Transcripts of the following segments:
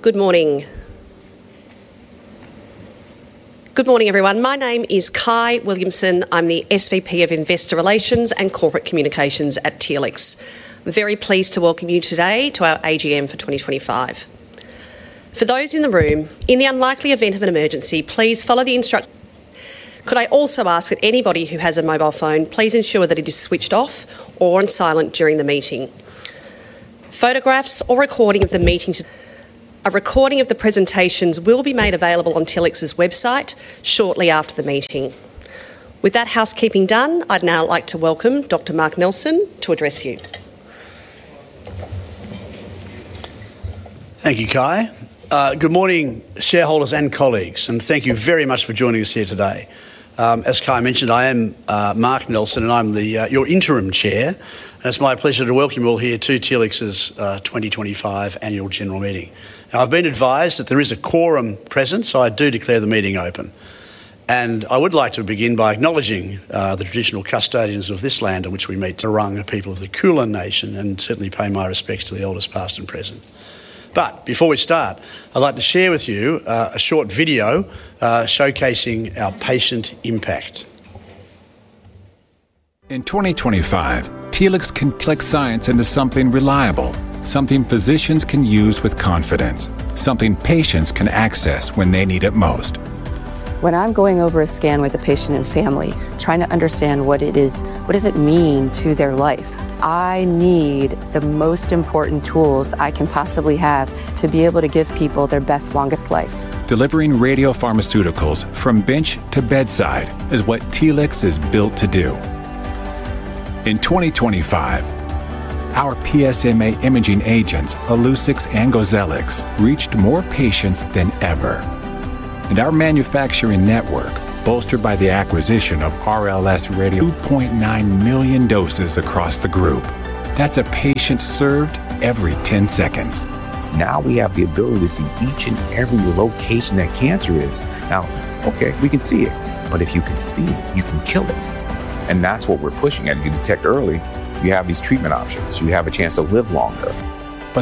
Good morning. Good morning, everyone. My name is Ky Williamson. I am the Senior Vice President of Investor Relations and Corporate Communications at Telix. I am very pleased to welcome you today to our AGM for 2025. For those in the room, in the unlikely event of an emergency, please follow the instructions. Could I also ask that anybody who has a mobile phone, please ensure that it is switched off or on silent during the meeting. Photographs or recording of the meeting. A recording of the presentations will be made available on Telix's website shortly after the meeting. With that housekeeping done, I would now like to welcome Dr. Mark Nelson to address you. Thank you, Ky. Good morning, shareholders and colleagues, and thank you very much for joining us here today. As Ky mentioned, I am Mark Nelson, and I'm your Interim Chairman. It's my pleasure to welcome you all here to Telix's 2025 Annual General Meeting. Now, I've been advised that there is a quorum present, so I do declare the meeting open. I would like to begin by acknowledging the traditional custodians of this land on which we meet, the Wurundjeri, the people of the Kulin Nation, and certainly pay my respects to the elders, past and present. Before we start, I'd like to share with you a short video showcasing our patient impact. In 2025, Telix can click science into something reliable, something physicians can use with confidence, something patients can access when they need it most. When I'm going over a scan with a patient and family, trying to understand what does it mean to their life, I need the most important tools I can possibly have to be able to give people their best, longest life. Delivering radiopharmaceuticals from bench to bedside is what Telix is built to do. In 2025, our PSMA imaging agents, Illuccix and Gozellix, reached more patients than ever. Our manufacturing network, bolstered by the acquisition of RLS Radiopharmacies 2.9 million doses across the group. That's a patient served every 10 seconds. Now we have the ability to see each and every location that cancer is. Now, okay, we can see it, but if you can see it, you can kill it. That's what we're pushing at. If you detect early, you have these treatment options, you have a chance to live longer.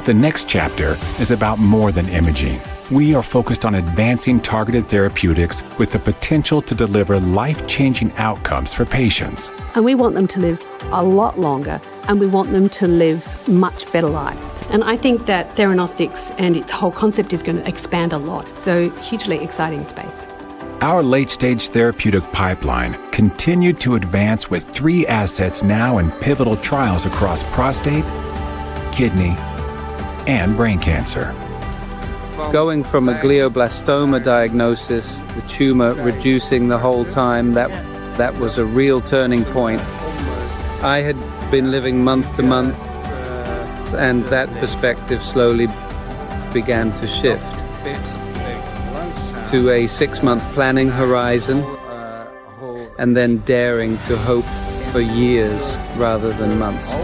The next chapter is about more than imaging. We are focused on advancing targeted therapeutics with the potential to deliver life-changing outcomes for patients. We want them to live a lot longer, and we want them to live much better lives. I think that theranostics and its whole concept is going to expand a lot. Hugely exciting space. Our late-stage therapeutic pipeline continued to advance with three assets now in pivotal trials across prostate, kidney, and brain cancer. Going from a glioblastoma diagnosis, the tumor reducing the whole time, that was a real turning point. I had been living month to month, that perspective slowly began to shift to a six-month planning horizon and then daring to hope for years rather than months.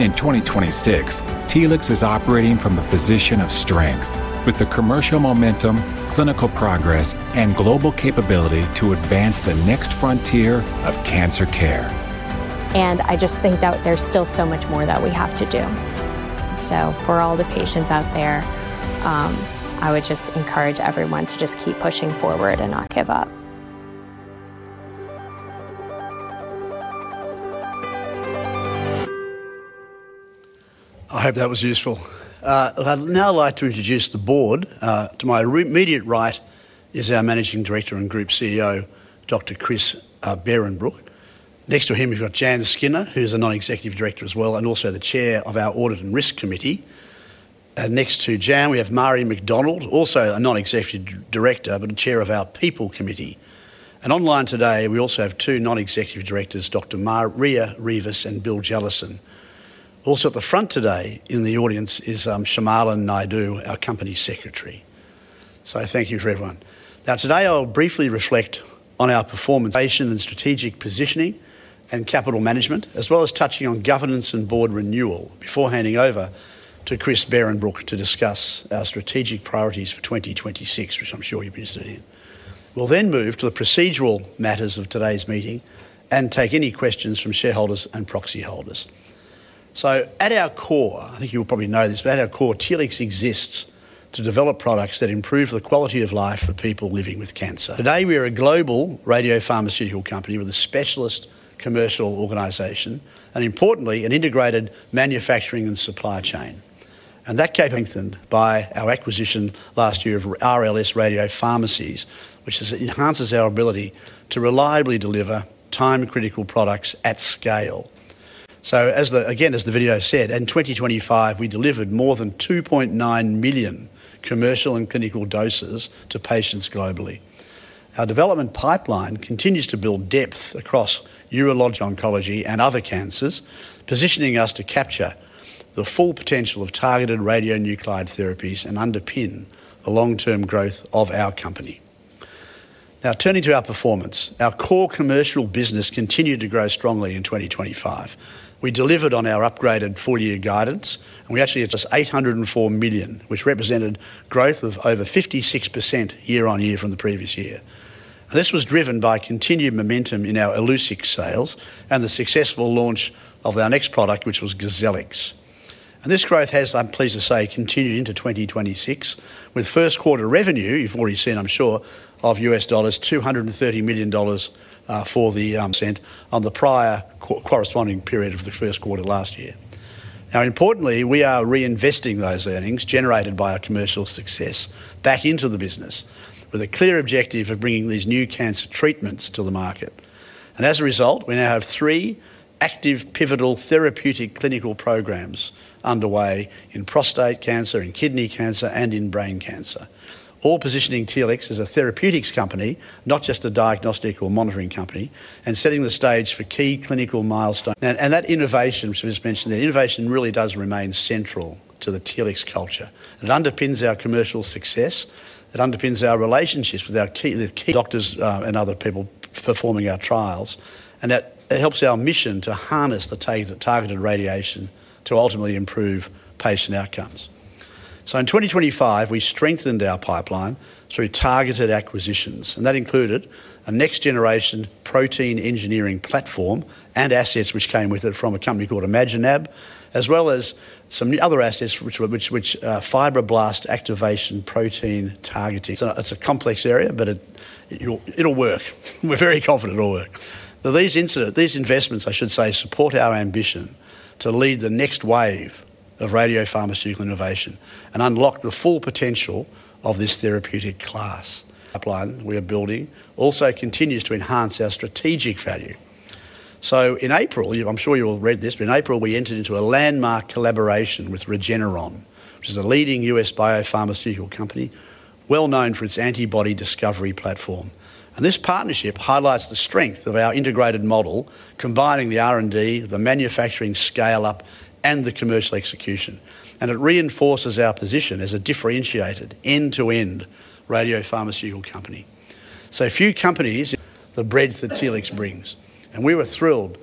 In 2026, Telix is operating from a position of strength with the commercial momentum, clinical progress, and global capability to advance the next frontier of cancer care. I just think that there's still so much more that we have to do. For all the patients out there, I would just encourage everyone to just keep pushing forward and not give up. I hope that was useful. I'd now like to introduce the board. To my immediate right is our Managing Director and Group Chief Executive Officer, Dr. Chris Behrenbruch. Next to him, we've got Jann Skinner, who's a Non-Executive Director as well, and also the Chair of our Audit and Risk Committee. Next to Jann, we have Marie McDonald, also a Non-Executive Director, but Chair of our People Committee. Online today, we also have two Non-Executive Directors, Dr. Maria Rivas and William Jellison. Also at the front today in the audience is Shomalin Naidoo, our Company Secretary. Thank you for everyone. Today, I'll briefly reflect on our performance, and strategic positioning, and capital management, as well as touching on governance and board renewal before handing over to Chris Behrenbruch to discuss our strategic priorities for 2026, which I'm sure you're interested in. We'll then move to the procedural matters of today's meeting and take any questions from shareholders and proxy holders. At our core, I think you'll probably know this, but at our core, Telix exists to develop products that improve the quality of life for people living with cancer. Today, we are a global radiopharmaceutical company with a specialist commercial organization and importantly, an integrated manufacturing and supply chain. That capability by our acquisition last year of RLS Radiopharmacies, which enhances our ability to reliably deliver time-critical products at scale. Again, as the video said, in 2025, we delivered more than 2.9 million commercial and clinical doses to patients globally. Our development pipeline continues to build depth across urologic oncology and other cancers, positioning us to capture the full potential of targeted radionuclide therapies and underpin the long-term growth of our company. Now, turning to our performance, our core commercial business continued to grow strongly in 2025. We delivered on our upgraded full-year guidance, and we actually had $804 million, which represented growth of over 56% year-on-year from the previous year. This was driven by continued momentum in our Illuccix sales and the successful launch of our next product, which was Gozellix. This growth has, I'm pleased to say, continued into 2026 with first quarter revenue, you've already seen, I'm sure, of US $230 million 4% on the prior corresponding period of the first quarter last year. Now importantly, we are reinvesting those earnings generated by our commercial success back into the business with a clear objective of bringing these new cancer treatments to the market. As a result, we now have three active pivotal therapeutic clinical programs underway in prostate cancer, in kidney cancer, and in brain cancer. All positioning Telix as a therapeutics company, not just a diagnostic or monitoring company, and setting the stage for key clinical milestones. That innovation, as we just mentioned, really does remain central to the Telix culture. It underpins our commercial success, it underpins our relationships with our key doctors and other people performing our trials, and it helps our mission to harness the targeted radiation to ultimately improve patient outcomes. In 2025, we strengthened our pipeline through targeted acquisitions, and that included a next-generation protein engineering platform and assets which came with it from a company called ImaginAb, as well as some other assets which fibroblast activation protein targeting. It's a complex area, but it'll work. We're very confident it'll work. These investments, I should say, support our ambition to lead the next wave of radiopharmaceutical innovation and unlock the full potential of this therapeutic class. Pipeline we are building also continues to enhance our strategic value. In April, I'm sure you all read this, but in April, we entered into a landmark collaboration with Regeneron, which is a leading U.S. biopharmaceutical company, well known for its antibody discovery platform. This partnership highlights the strength of our integrated model, combining the R&D, the manufacturing scale-up, and the commercial execution, and it reinforces our position as a differentiated end-to-end radiopharmaceutical company. A few companies, the breadth that Telix brings, and we were thrilled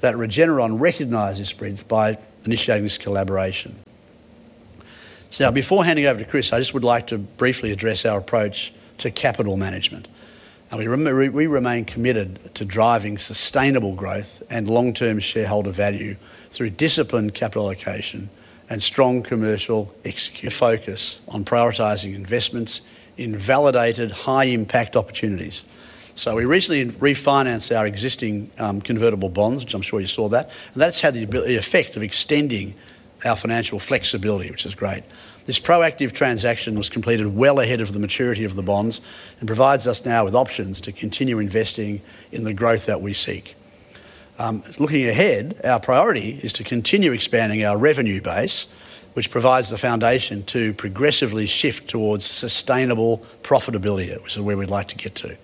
that Regeneron recognized this breadth by initiating this collaboration. Now before handing over to Chris, I just would like to briefly address our approach to capital management. We remain committed to driving sustainable growth and long-term shareholder value through disciplined capital allocation and strong commercial execution focus on prioritizing investments in validated high-impact opportunities. We recently refinanced our existing convertible bonds, which I'm sure you saw that, and that's had the effect of extending our financial flexibility, which is great. This proactive transaction was completed well ahead of the maturity of the bonds and provides us now with options to continue investing in the growth that we seek. Looking ahead, our priority is to continue expanding our revenue base, which provides the foundation to progressively shift towards sustainable profitability, which is where we'd like to get to.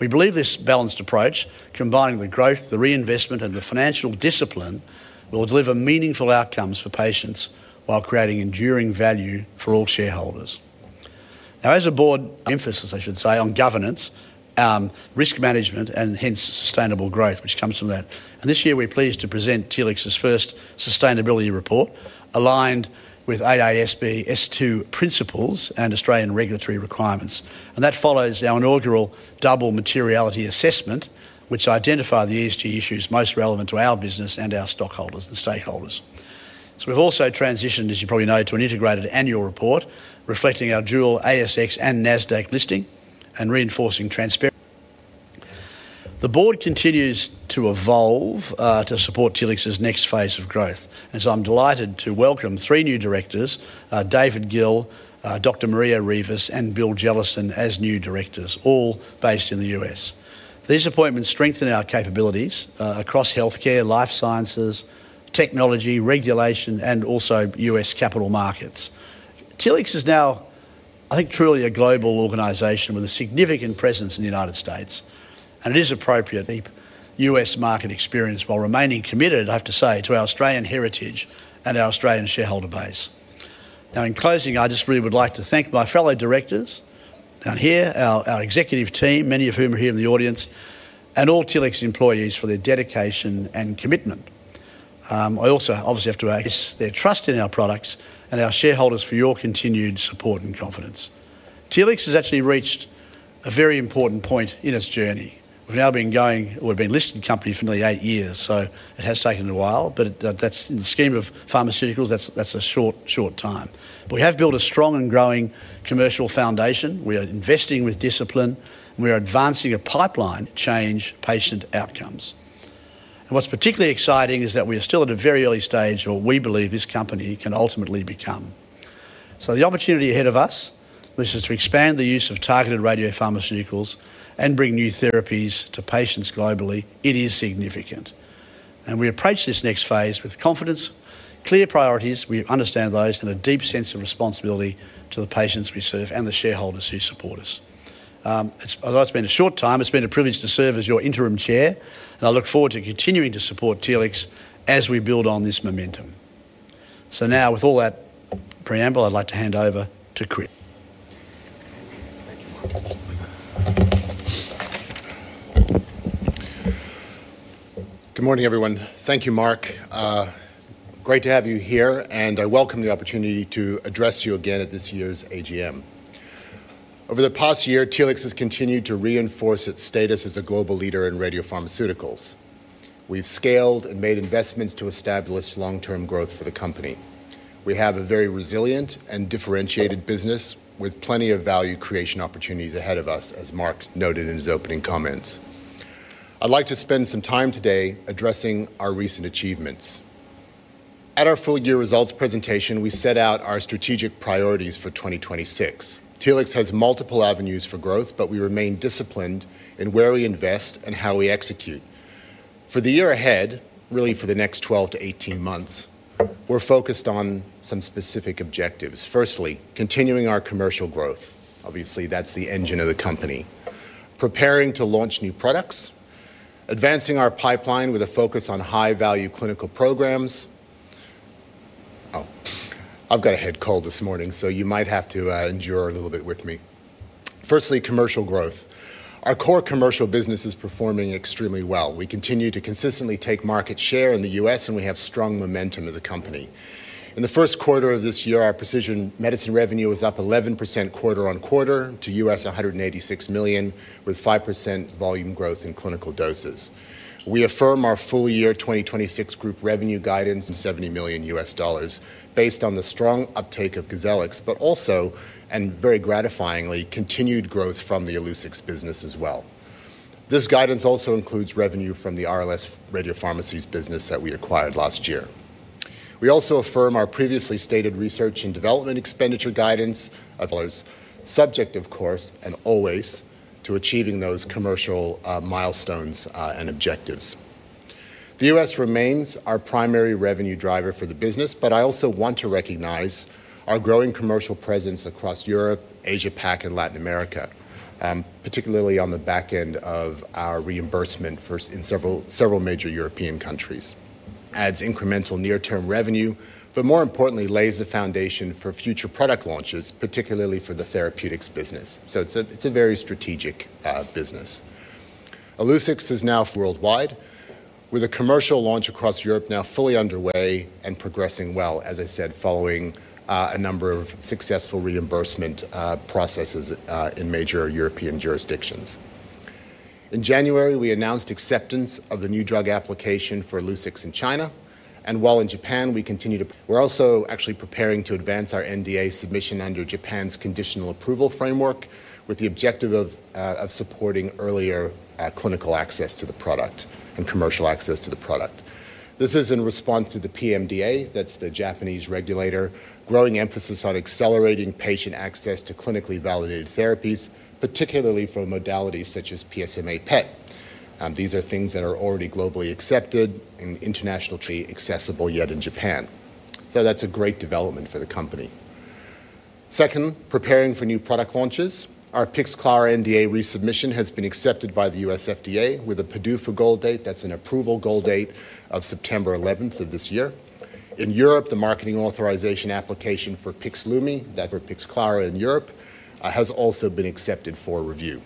We believe this balanced approach, combining the growth, the reinvestment, and the financial discipline, will deliver meaningful outcomes for patients while creating enduring value for all shareholders. Now as a board, emphasis, I should say, on governance, risk management, and hence sustainable growth, which comes from that. This year, we're pleased to present Telix's first sustainability report, aligned with AASB S2 principles and Australian regulatory requirements. That follows our inaugural double materiality assessment, which identify the ESG issues most relevant to our business and our stockholders and stakeholders. We've also transitioned, as you probably know, to an integrated annual report reflecting our dual ASX and Nasdaq listing and reinforcing transparency. The board continues to evolve to support Telix's next phase of growth, I'm delighted to welcome three new Directors, David Gill, Dr. Maria Rivas, and Bill Jellison, as new Directors, all based in the U.S. These appointments strengthen our capabilities across healthcare, life sciences, technology, regulation, and also U.S. capital markets. Telix is now, I think, truly a global organization with a significant presence in the U.S., and it is appropriate, deep U.S. market experience while remaining committed, I have to say, to our Australian heritage and our Australian shareholder base. In closing, I just really would like to thank my fellow directors down here, our executive team, many of whom are here in the audience, and all Telix employees for their dedication and commitment. I also obviously have to thank their trust in our products and our shareholders for your continued support and confidence. Telix has actually reached a very important point in its journey. We've been a listed company for nearly eight years, it has taken a while, but in the scheme of pharmaceuticals, that's a short time. We have built a strong and growing commercial foundation. We are investing with discipline, we are advancing a pipeline to change patient outcomes. What's particularly exciting is that we are still at a very early stage where we believe this company can ultimately become. The opportunity ahead of us, which is to expand the use of targeted radiopharmaceuticals and bring new therapies to patients globally, it is significant. We approach this next phase with confidence, clear priorities, we understand those, and a deep sense of responsibility to the patients we serve and the shareholders who support us. Although it's been a short time, it's been a privilege to serve as your interim chair, and I look forward to continuing to support Telix as we build on this momentum. Now with all that preamble, I'd like to hand over to Chris. Thank you, Mark. Good morning, everyone. Thank you, Mark. Great to have you here, and I welcome the opportunity to address you again at this year's AGM. Over the past year, Telix has continued to reinforce its status as a global leader in radiopharmaceuticals. We've scaled and made investments to establish long-term growth for the company. We have a very resilient and differentiated business with plenty of value creation opportunities ahead of us, as Mark noted in his opening comments. I'd like to spend some time today addressing our recent achievements. At our full year results presentation, we set out our strategic priorities for 2026. Telix has multiple avenues for growth, but we remain disciplined in where we invest and how we execute. For the year ahead, really for the next 12-18 months, we're focused on some specific objectives. Firstly, continuing our commercial growth. Obviously, that's the engine of the company. Preparing to launch new products, advancing our pipeline with a focus on high-value clinical programs. Oh, I've got a head cold this morning, so you might have to endure a little bit with me. Firstly, commercial growth. Our core commercial business is performing extremely well. We continue to consistently take market share in the U.S., and we have strong momentum as a company. In the first quarter of this year, our precision medicine revenue was up 11% quarter-on-quarter to $186 million, with 5% volume growth in clinical doses. We affirm our full year 2026 group revenue guidance of $70 million based on the strong uptake of Gozellix, but also, and very gratifyingly, continued growth from the Illuccix business as well. This guidance also includes revenue from the RLS Radiopharmacies business that we acquired last year. We also affirm our previously stated research and development expenditure guidance, subject of course, and always, to achieving those commercial milestones and objectives. The U.S. remains our primary revenue driver for the business, but I also want to recognize our growing commercial presence across Europe, Asia Pac, and Latin America. Particularly on the back end of our reimbursement in several major European countries. Adds incremental near-term revenue, but more importantly, lays the foundation for future product launches, particularly for the therapeutics business. It's a very strategic business. Illuccix is now worldwide with a commercial launch across Europe now fully underway and progressing well, as I said, following a number of successful reimbursement processes in major European jurisdictions. In January, we announced acceptance of the new drug application for Illuccix in China. While in Japan, we're also actually preparing to advance our NDA submission under Japan's conditional approval framework with the objective of supporting earlier clinical access to the product and commercial access to the product. This is in response to the PMDA, that's the Japanese regulator, growing emphasis on accelerating patient access to clinically validated therapies, particularly for modalities such as PSMA PET. These are things that are already globally accepted and internationally accessible, yet in Japan. That's a great development for the company. Second, preparing for new product launches. Our Pixclara NDA resubmission has been accepted by the U.S. FDA with a PDUFA goal date. That's an approval goal date of September 11th of this year. In Europe, the marketing authorization application for Pixlumi, that for Pixclara in Europe, has also been accepted for review.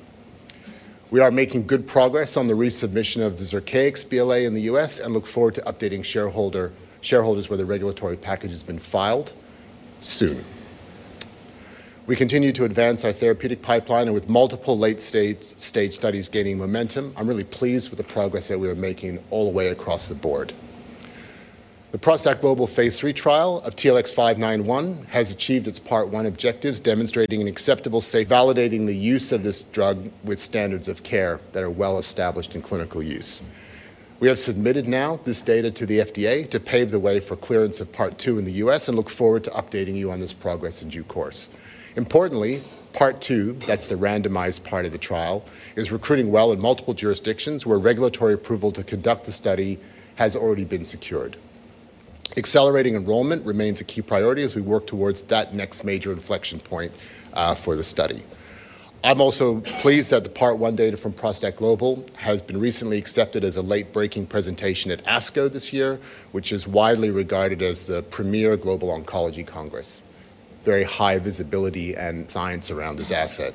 We are making good progress on the resubmission of the Zircaix BLA in the U.S. and look forward to updating shareholders when the regulatory package has been filed soon. We continue to advance our therapeutic pipeline, and with multiple late-stage studies gaining momentum, I'm really pleased with the progress that we are making all the way across the board. The ProstACT Global phase III trial of TLX591 has achieved its part one objectives, demonstrating an acceptable, say, validating the use of this drug with standards of care that are well established in clinical use. We have submitted now this data to the FDA to pave the way for clearance of part two in the U.S. and look forward to updating you on this progress in due course. Importantly, part two, that's the randomized part of the trial, is recruiting well in multiple jurisdictions where regulatory approval to conduct the study has already been secured. Accelerating enrollment remains a key priority as we work towards that next major inflection point for the study. I'm also pleased that the part 1 data from ProstACT Global has been recently accepted as a late-breaking presentation at ASCO this year, which is widely regarded as the premier global oncology congress. Very high visibility and science around this asset.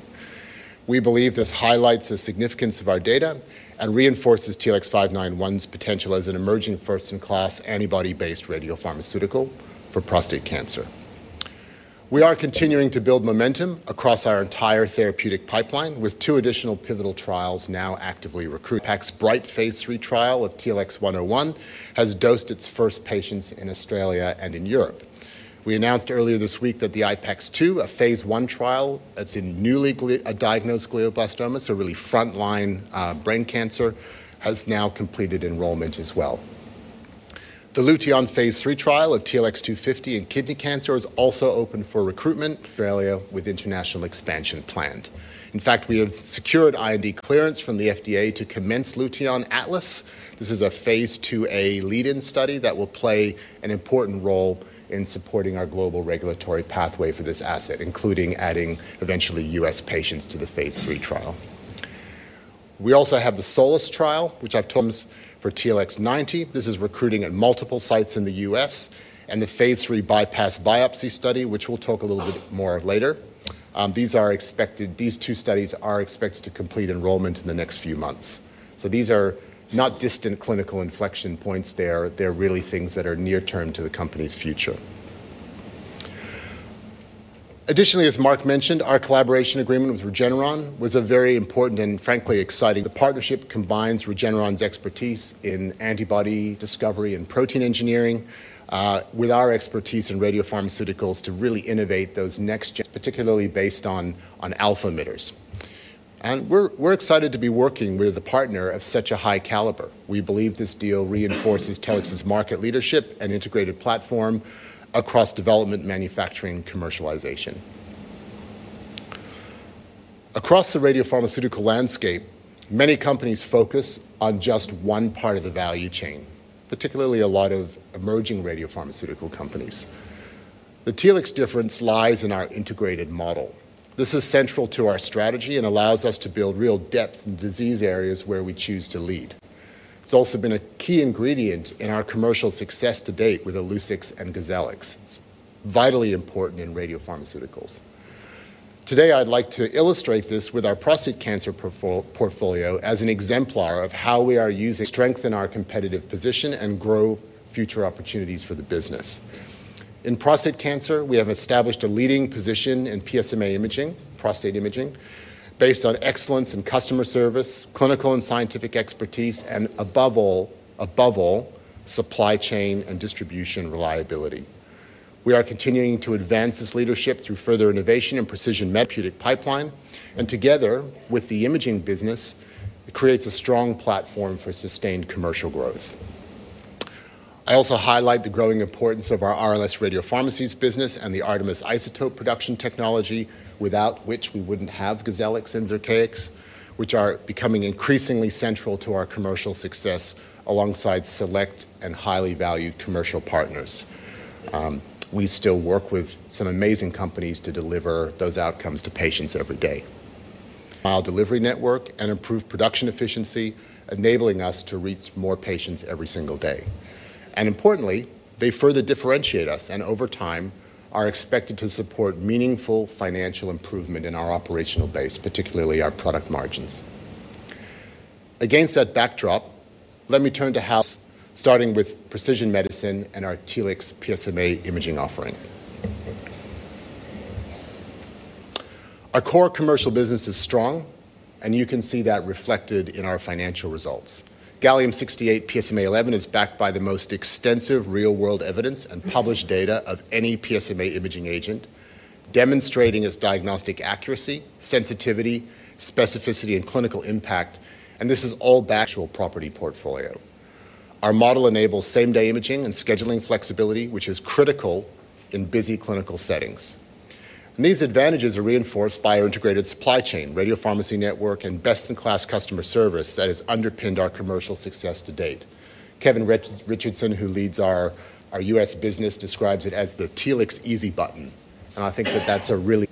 We believe this highlights the significance of our data and reinforces TLX591's potential as an emerging first-in-class antibody-based radiopharmaceutical for prostate cancer. We are continuing to build momentum across our entire therapeutic pipeline with two additional pivotal trials now actively recruiting. IPAX-BrIGHT phase III trial of TLX101 has dosed its first patients in Australia and in Europe. We announced earlier this week that the IPAX-2, a phase I trial that's in newly diagnosed glioblastoma, so really front-line brain cancer, has now completed enrollment as well. The LEUTON phase III trial of TLX250 in kidney cancer is also open for recruitment in Australia with international expansion planned. We have secured IND clearance from the FDA to commence LEUTON ATLAS. This is a phase II-A lead-in study that will play an important role in supporting our global regulatory pathway for this asset, including adding eventually U.S. patients to the phase III trial. We also have the SOLACE trial for TLX090. This is recruiting at multiple sites in the U.S. The phase III BIPASS study, which we'll talk a little bit more later. These two studies are expected to complete enrollment in the next few months. These are not distant clinical inflection points. They're really things that are near-term to the company's future. Additionally, as Mark mentioned, our collaboration agreement with Regeneron was very important and frankly exciting. The partnership combines Regeneron's expertise in antibody discovery and protein engineering with our expertise in radiopharmaceuticals to really innovate those Next-Gens, particularly based on alpha emitters. We're excited to be working with a partner of such a high caliber. We believe this deal reinforces Telix's market leadership and integrated platform across development, manufacturing, commercialization. Across the radiopharmaceutical landscape, many companies focus on just one part of the value chain, particularly a lot of emerging radiopharmaceutical companies. The Telix difference lies in our integrated model. This is central to our strategy and allows us to build real depth in disease areas where we choose to lead. It's also been a key ingredient in our commercial success to date with Illuccix and Gozellix. It's vitally important in radiopharmaceuticals. Today, I'd like to illustrate this with our prostate cancer portfolio as an exemplar of how we are using strength in our competitive position and grow future opportunities for the business. In prostate cancer, we have established a leading position in PSMA imaging, prostate imaging, based on excellence in customer service, clinical and scientific expertise, and above all, supply chain and distribution reliability. We are continuing to advance this leadership through further innovation in precision therapeutic pipeline, and together with the imaging business, it creates a strong platform for sustained commercial growth. I also highlight the growing importance of our RLS Radiopharmacies business and the ARTMS isotope production technology, without which we wouldn't have Gozellix and Zircaix, which are becoming increasingly central to our commercial success alongside select and highly valued commercial partners. We still work with some amazing companies to deliver those outcomes to patients every day. Our delivery network and improved production efficiency enabling us to reach more patients every single day. Importantly, they further differentiate us, and over time, are expected to support meaningful financial improvement in our operational base, particularly our product margins. Against that backdrop, let me turn to how, starting with precision medicine and our Telix PSMA imaging offering. Our core commercial business is strong, and you can see that reflected in our financial results. Gallium-68 PSMA-11 is backed by the most extensive real-world evidence and published data of any PSMA imaging agent, demonstrating its diagnostic accuracy, sensitivity, specificity, and clinical impact. This is all backed by our intellectual property portfolio. Our model enables same-day imaging and scheduling flexibility, which is critical in busy clinical settings. These advantages are reinforced by our integrated supply chain, radiopharmacy network, and best-in-class customer service that has underpinned our commercial success to date. Kevin Richardson, who leads our U.S. business, describes it as the Telix easy button. The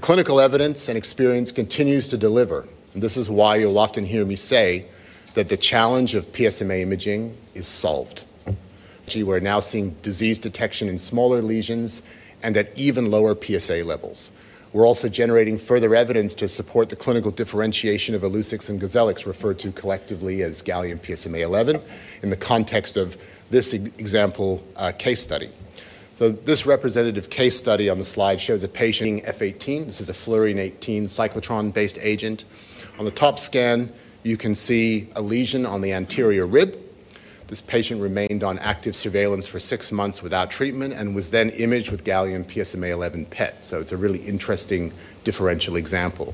clinical evidence and experience continues to deliver, and this is why you'll often hear me say that the challenge of PSMA imaging is solved. We're now seeing disease detection in smaller lesions and at even lower PSA levels. We're also generating further evidence to support the clinical differentiation of Illuccix and Gozellix, referred to collectively as Gallium PSMA-11 in the context of this example case study. This representative case study on the slide shows a patient being F-18. This is a fluorine-18 cyclotron-based agent. On the top scan, you can see a lesion on the anterior rib. This patient remained on active surveillance for six months without treatment and was then imaged with Gallium PSMA-11 PET, it's a really interesting differential example.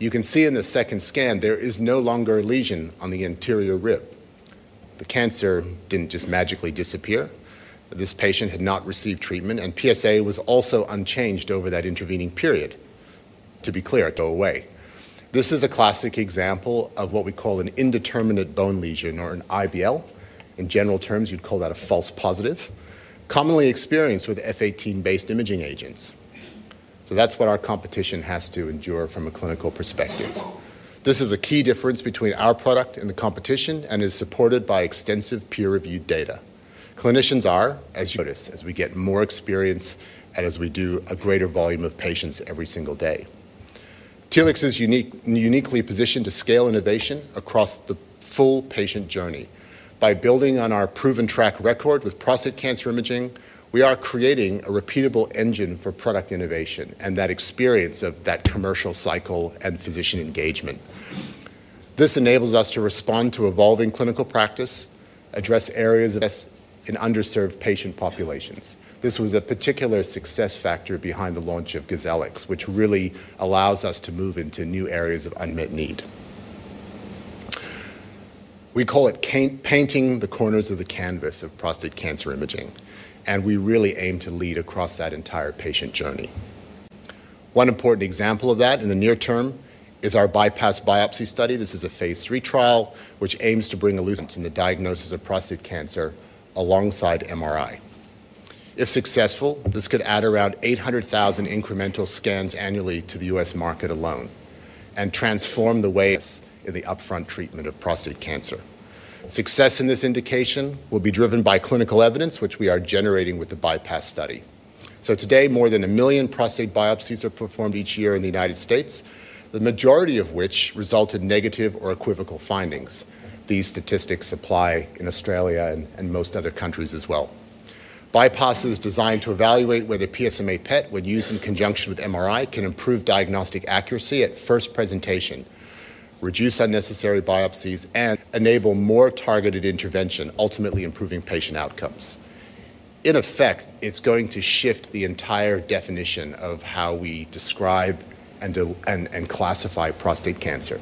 You can see in the second scan there is no longer a lesion on the anterior rib. The cancer didn't just magically disappear. This patient had not received treatment, PSA was also unchanged over that intervening period. To be clear, it didn't go away. This is a classic example of what we call an indeterminate bone lesion or an IBL. In general terms, you'd call that a false positive, commonly experienced with F-18-based imaging agents. That's what our competition has to endure from a clinical perspective. This is a key difference between our product and the competition and is supported by extensive peer-reviewed data. Clinicians are, as you notice, as we get more experience and as we do a greater volume of patients every single day. Telix is uniquely positioned to scale innovation across the full patient journey. By building on our proven track record with prostate cancer imaging, we are creating a repeatable engine for product innovation and that experience of that commercial cycle and physician engagement. This enables us to respond to evolving clinical practice, address areas of underserved patient populations. This was a particular success factor behind the launch of Gozellix, which really allows us to move into new areas of unmet need. We call it painting the corners of the canvas of prostate cancer imaging, and we really aim to lead across that entire patient journey. One important example of that in the near term is our BIPASS biopsy study. This is a phase III trial which aims to bring Illuccix in the diagnosis of prostate cancer alongside MRI. If successful, this could add around 800,000 incremental scans annually to the U.S. market alone and transform the way in the upfront treatment of prostate cancer. Success in this indication will be driven by clinical evidence, which we are generating with the BIPASS study. Today, more than 1 million prostate biopsies are performed each year in the United States, the majority of which result in negative or equivocal findings. These statistics apply in Australia and most other countries as well. BIPASS is designed to evaluate whether PSMA PET, when used in conjunction with MRI, can improve diagnostic accuracy at first presentation, reduce unnecessary biopsies, and enable more targeted intervention, ultimately improving patient outcomes. In effect, it is going to shift the entire definition of how we describe and classify prostate cancer.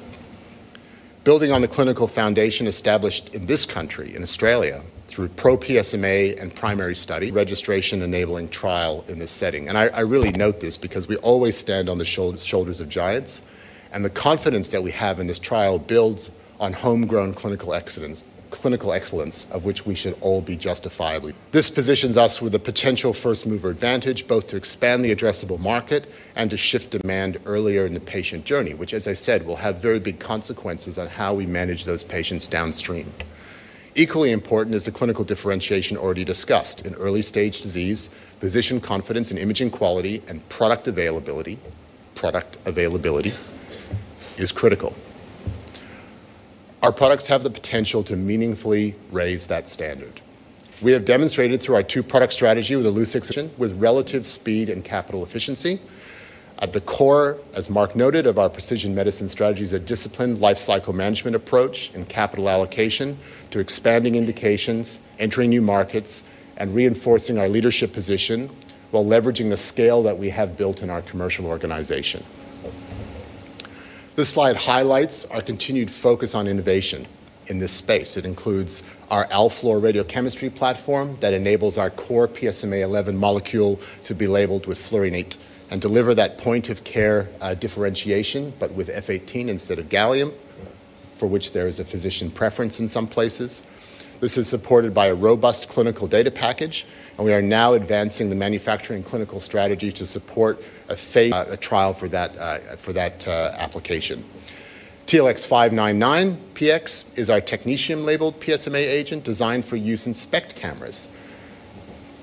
Building on the clinical foundation established in this country, in Australia, through ProPSMA and PRIMARY study, registration-enabling trial in this setting. I really note this because we always stand on the shoulders of giants, and the confidence that we have in this trial builds on homegrown clinical excellence, which we all be justified. This positions us with a potential first-mover advantage, both to expand the addressable market and to shift demand earlier in the patient journey, which, as I said, will have very big consequences on how we manage those patients downstream. Equally important is the clinical differentiation already discussed. In early-stage disease, physician confidence in imaging quality and product availability is critical. Our products have the potential to meaningfully raise that standard. We have demonstrated through our two-product strategy with Illuccix, with relative speed and capital efficiency. At the core, as Mark noted, of our precision medicine strategy is a disciplined lifecycle management approach and capital allocation to expanding indications, entering new markets, and reinforcing our leadership position while leveraging the scale that we have built in our commercial organization. This slide highlights our continued focus on innovation in this space. It includes our 18F-fluorine radiochemistry platform that enables our core PSMA-11 molecule to be labeled with fluorinate and deliver that point-of-care differentiation, but with F-18 instead of gallium, for which there is a physician preference in some places. This is supported by a robust clinical data package. We are now advancing the manufacturing clinical strategy to support a trial for that application. TLX599-Px is our technetium-labeled PSMA agent designed for use in SPECT cameras.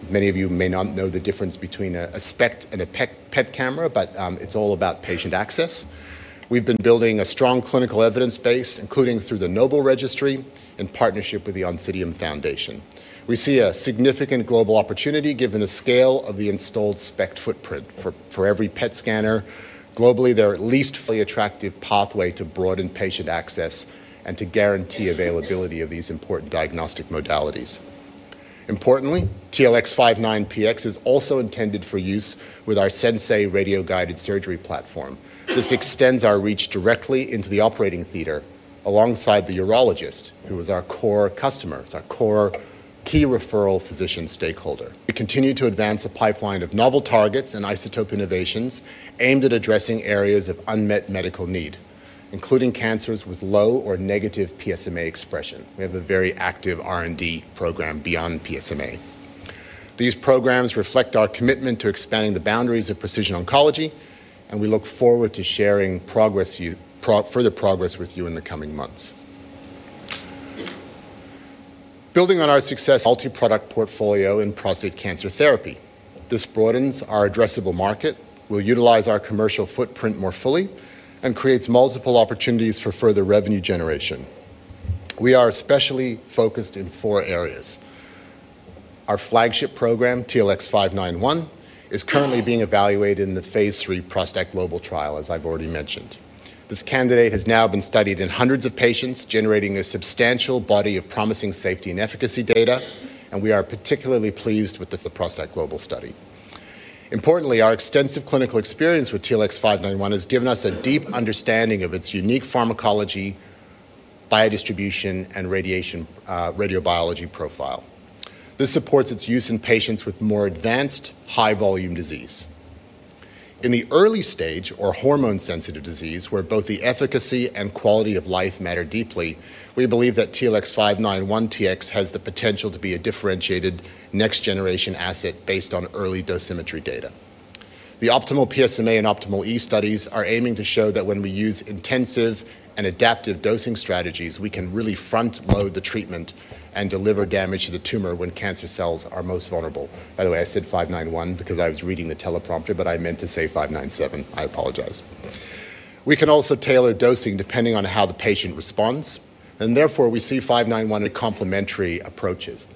Many of you may not know the difference between a SPECT and a PET camera, it's all about patient access. We've been building a strong clinical evidence base, including through the NOBLE Registry in partnership with the Oncidium Foundation. We see a significant global opportunity given the scale of the installed SPECT footprint. For every PET scanner globally, there are at least attractive pathway to broaden patient access and to guarantee availability of these important diagnostic modalities. Importantly, TLX599-Px is also intended for use with our SENSEI radioguided surgery platform. This extends our reach directly into the operating theater alongside the urologist, who is our core customer, is our core key referral physician stakeholder. We continue to advance a pipeline of novel targets and isotope innovations aimed at addressing areas of unmet medical need, including cancers with low or negative PSMA expression. We have a very active R&D program beyond PSMA. These programs reflect our commitment to expanding the boundaries of precision oncology, we look forward to sharing further progress with you in the coming months. Building on our success multi-product portfolio in prostate cancer therapy. This broadens our addressable market, will utilize our commercial footprint more fully, and creates multiple opportunities for further revenue generation. We are especially focused in four areas. Our flagship program, TLX591, is currently being evaluated in the phase III ProstACT Global trial, as I've already mentioned. This candidate has now been studied in hundreds of patients, generating a substantial body of promising safety and efficacy data, and we are particularly pleased with the ProstACT Global study. Importantly, our extensive clinical experience with TLX591 has given us a deep understanding of its unique pharmacology, biodistribution, and radiobiology profile. This supports its use in patients with more advanced, high-volume disease. In the early stage or hormone-sensitive disease, where both the efficacy and quality of life matter deeply, we believe that TLX591-Tx has the potential to be a differentiated next-generation asset based on early dosimetry data. The OPTIMAL-PSMA and OPTIMAL-E studies are aiming to show that when we use intensive and adaptive dosing strategies, we can really front-load the treatment and deliver damage to the tumor when cancer cells are most vulnerable. By the way, I said 591 because I was reading the teleprompter, but I meant to say 597. I apologize. Therefore, we see 591 complimentary approaches.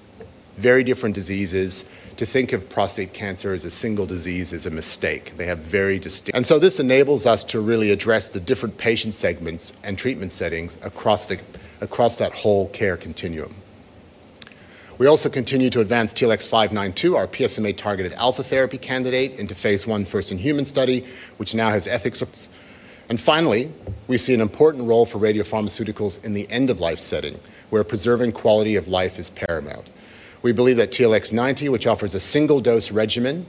Very different diseases. To think of prostate cancer as a single disease is a mistake. They have very distinct. So this enables us to really address the different patient segments and treatment settings across that whole care continuum. We also continue to advance TLX592, our PSMA-targeted alpha therapy candidate, into Phase I first-in-human study, which now has ethics. Finally, we see an important role for radiopharmaceuticals in the end-of-life setting, where preserving quality of life is paramount. We believe that TLX090, which offers a single-dose regimen,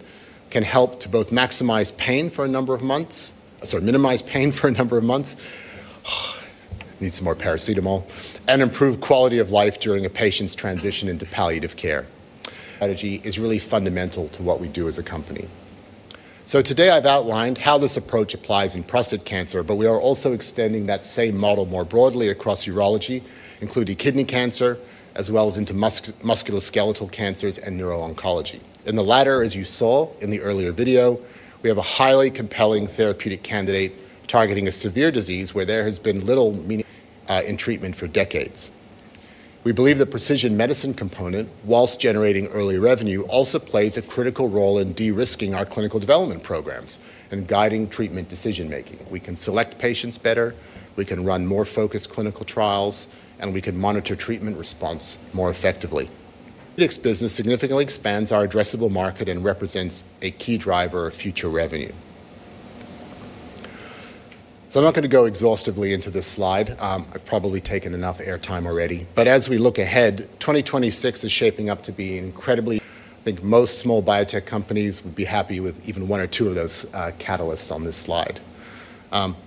can help to both minimize pain for a number of months, and improve quality of life during a patient's transition into palliative care. Need some more paracetamol. Strategy is really fundamental to what we do as a company. Today I've outlined how this approach applies in prostate cancer, but we are also extending that same model more broadly across urology, including kidney cancer, as well as into musculoskeletal cancers and neuro-oncology. In the latter, as you saw in the earlier video, we have a highly compelling therapeutic candidate targeting a severe disease where there has been little meaning in treatment for decades. We believe the precision medicine component, whilst generating early revenue, also plays a critical role in de-risking our clinical development programs and guiding treatment decision-making. We can select patients better, we can run more focused clinical trials, and we can monitor treatment response more effectively. The next business significantly expands our addressable market and represents a key driver of future revenue. I'm not going to go exhaustively into this slide. I've probably taken enough air time already. As we look ahead, 2026 is shaping up to be incredibly I think most small biotech companies would be happy with even one or two of those catalysts on this slide.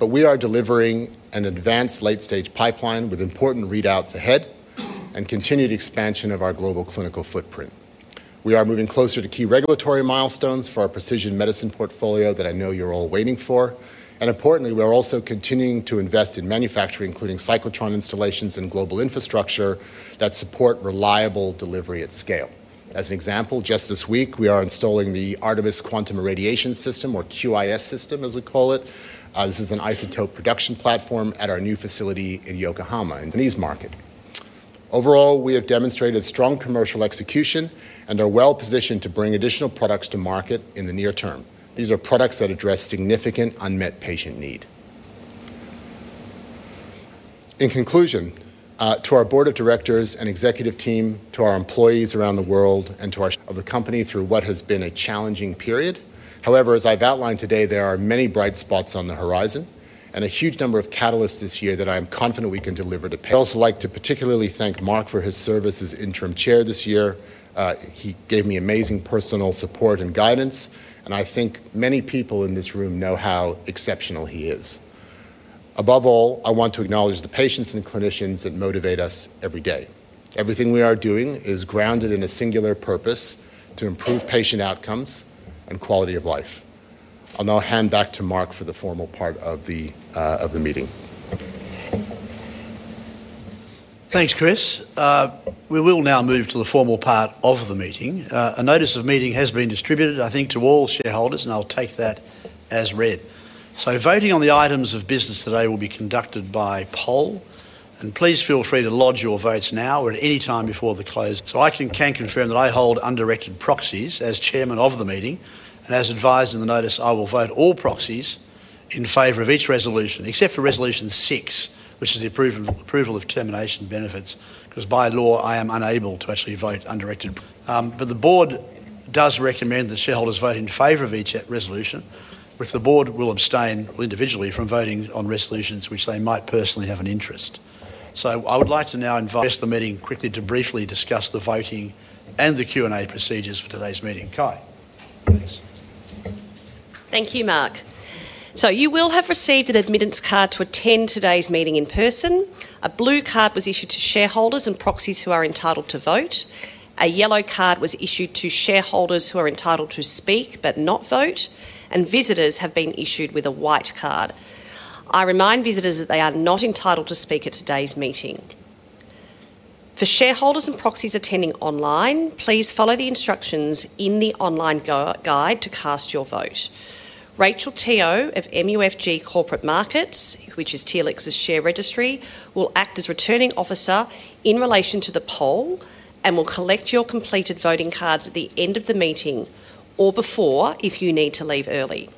We are delivering an advanced late-stage pipeline with important readouts ahead and continued expansion of our global clinical footprint. We are moving closer to key regulatory milestones for our precision medicine portfolio that I know you're all waiting for, and importantly, we are also continuing to invest in manufacturing, including cyclotron installations and global infrastructure that support reliable delivery at scale. As an example, just this week, we are installing the ARTMS QUANTM Irradiation System, or QIS system as we call it. This is an isotope production platform at our new facility in Yokohama in the Japanese market. Overall, we have demonstrated strong commercial execution and are well-positioned to bring additional products to market in the near term. These are products that address significant unmet patient need. In conclusion, to our Board of Directors and Executive Team, to our employees around the world, and to our- of the company through what has been a challenging period. As I've outlined today, there are many bright spots on the horizon and a huge number of catalysts this year that I am confident we can deliver to. I'd also like to particularly thank Mark for his service as Interim Chair this year. He gave me amazing personal support and guidance, and I think many people in this room know how exceptional he is. Above all, I want to acknowledge the patients and clinicians that motivate us every day. Everything we are doing is grounded in a singular purpose to improve patient outcomes and quality of life. I'll now hand back to Mark for the formal part of the meeting. Thanks, Chris. We will now move to the formal part of the meeting. A Notice of Meeting has been distributed, I think, to all shareholders, and I'll take that as read. Voting on the items of business today will be conducted by poll, and please feel free to lodge your votes now or at any time before the close. I can confirm that I hold undirected proxies as Chairman of the Meeting, and as advised in the notice, I will vote all proxies in favor of each resolution, except for Resolution 6, which is the approval of termination benefits, because by law I am unable to actually vote undirected. The Board does recommend that shareholders vote in favor of each resolution, which the Board will abstain individually from voting on resolutions which they might personally have an interest. I would like to now invite the meeting quickly to briefly discuss the voting and the Q&A procedures for today's meeting. Ky. Thanks. Thank you, Mark. You will have received an admittance card to attend today's meeting in person. A blue card was issued to shareholders and proxies who are entitled to vote. A yellow card was issued to shareholders who are entitled to speak but not vote, and visitors have been issued with a white card. I remind visitors that they are not entitled to speak at today's meeting. For shareholders and proxies attending online, please follow the instructions in the online guide to cast your vote. Rachel Teo of MUFG Corporate Markets, which is Telix's share registry, will act as returning officer in relation to the poll and will collect your completed voting cards at the end of the meeting or before if you need to leave early.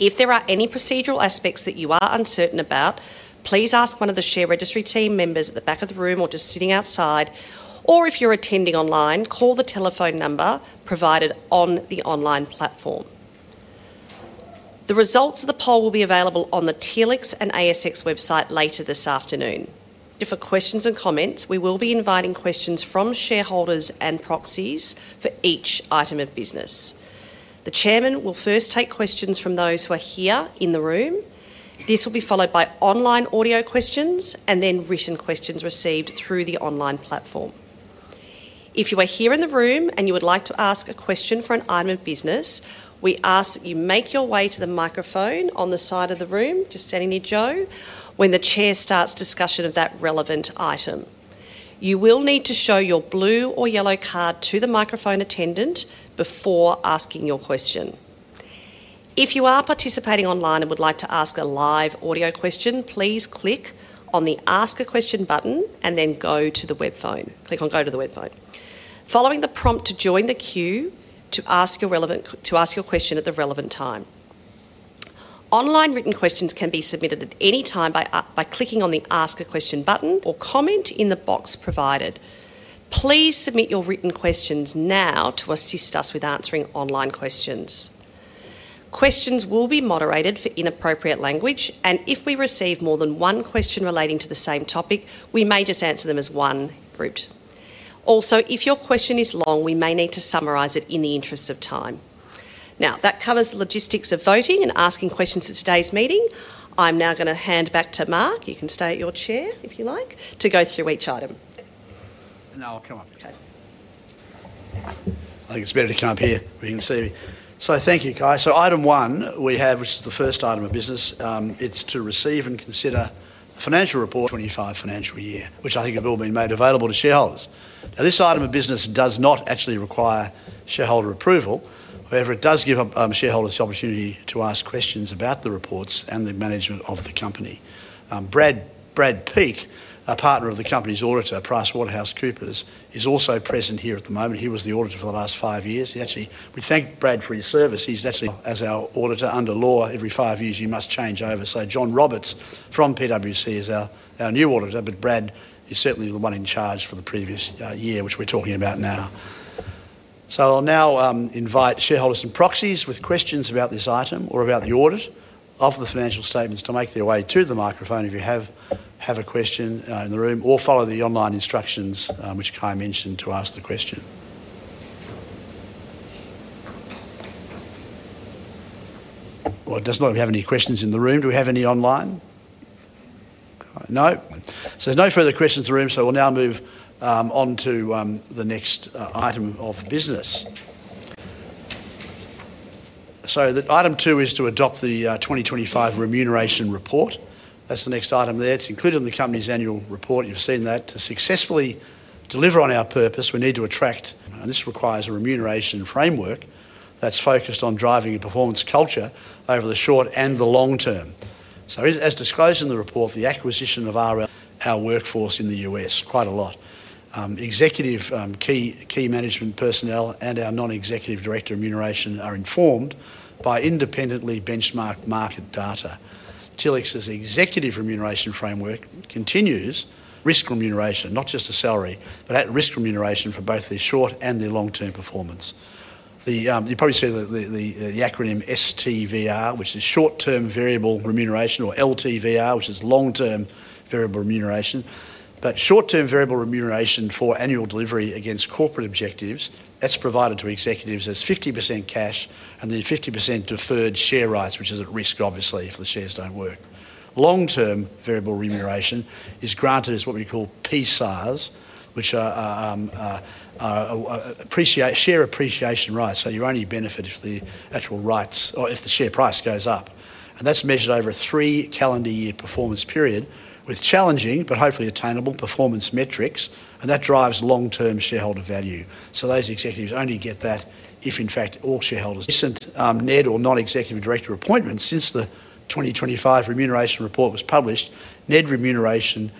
If there are any procedural aspects that you are uncertain about, please ask one of the share registry team members at the back of the room or just sitting outside, or if you're attending online, call the telephone number provided on the online platform. The results of the poll will be available on the Telix and ASX website later this afternoon. For questions and comments, we will be inviting questions from shareholders and proxies for each item of business. The chairman will first take questions from those who are here in the room. This will be followed by online audio questions and then written questions received through the online platform. If you are here in the room and you would like to ask a question for an item of business, we ask that you make your way to the microphone on the side of the room, just standing near Joe, when the chair starts discussion of that relevant item. You will need to show your blue or yellow card to the microphone attendant before asking your question. If you are participating online and would like to ask a live audio question, please click on the Ask a Question button and then Go to the Web Phone. Click on Go to the Web Phone, following the prompt to join the queue to ask your question at the relevant time. Online written questions can be submitted at any time by clicking on the Ask a Question button or comment in the box provided. Please submit your written questions now to assist us with answering online questions. Questions will be moderated for inappropriate language, and if we receive more than one question relating to the same topic, we may just answer them as one group. Also, if your question is long, we may need to summarize it in the interest of time. That covers the logistics of voting and asking questions at today's meeting. I'm now going to hand back to Mark, you can stay at your chair if you like, to go through each item. No, I'll come up. Okay I think it's better to come up here where you can see me. Thank you, Ky. Item 1 we have, which is the first item of business, it's to receive and consider the financial report 2025 financial year, which I think have all been made available to shareholders. Now, this item of business does not actually require shareholder approval. However, it does give shareholders the opportunity to ask questions about the reports and the management of the company. Brad Peake, a partner of the company's auditor, PricewaterhouseCoopers, is also present here at the moment. He was the auditor for the last five years. We thank Brad for his service. As our auditor, under law, every five years, you must change over. John Roberts from PwC is our new auditor, but Brad is certainly the one in charge for the previous year, which we're talking about now. I'll now invite shareholders and proxies with questions about this item or about the audit of the financial statements to make their way to the microphone if you have a question in the room, or follow the online instructions, which Kai mentioned, to ask the question. It doesn't look like we have any questions in the room. Do we have any online? No. There's no further questions in the room, so we'll now move on to the next item of business. Item 2 is to adopt the 2025 remuneration report. That's the next item there. It's included in the company's annual report. You've seen that. To successfully deliver on our purpose, we need to attract, and this requires a remuneration framework that's focused on driving a performance culture over the short and the long term. As disclosed in the report, the acquisition of our workforce in the U.S. quite a lot. Executive key management personnel and our non-executive director remuneration are informed by independently benchmarked market data. Telix's executive remuneration framework continues risk remuneration, not just a salary, but at-risk remuneration for both their short and their long-term performance. You probably see the acronym STVR, which is short-term variable remuneration, or LTVR, which is long-term variable remuneration. Short-term variable remuneration for annual delivery against corporate objectives, that's provided to executives as 50% cash and then 50% deferred share rights, which is at risk, obviously, if the shares don't work. Long-term variable remuneration is granted as what we call SARs, which are share appreciation rights. You only benefit if the share price goes up. That's measured over a three calendar year performance period with challenging, but hopefully attainable, performance metrics, and that drives long-term shareholder value. Those executives only get that if in fact all shareholders. Recent NED or Non-Executive Director appointments since the 2025 Remuneration Report was published. NED remuneration,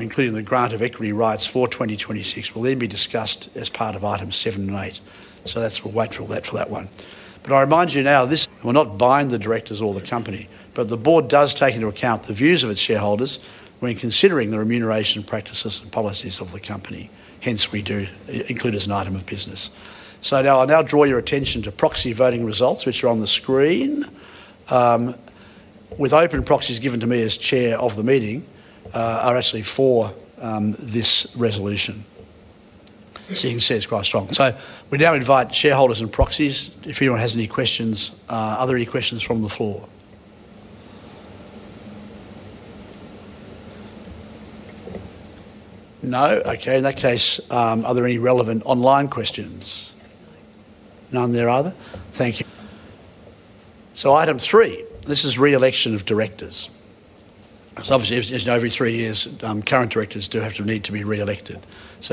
including the grant of equity rights for 2026, will then be discussed as part of Items 7 and 8. We'll wait for that one. I remind you now, this, we're not binding the directors or the company, but the board does take into account the views of its shareholders when considering the remuneration practices and policies of the company, hence we do include it as an item of business. Now I'll now draw your attention to proxy voting results, which are on the screen, with open proxies given to me as Chair of the meeting, are actually for this resolution. You can see it's quite strong. We now invite shareholders and proxies. If anyone has any questions. Are there any questions from the floor? No? Okay, in that case, are there any relevant online questions? None there either. Thank you. Item 3. This is re-election of Directors. Obviously, as you know, every three years, current Directors do have to need to be re-elected.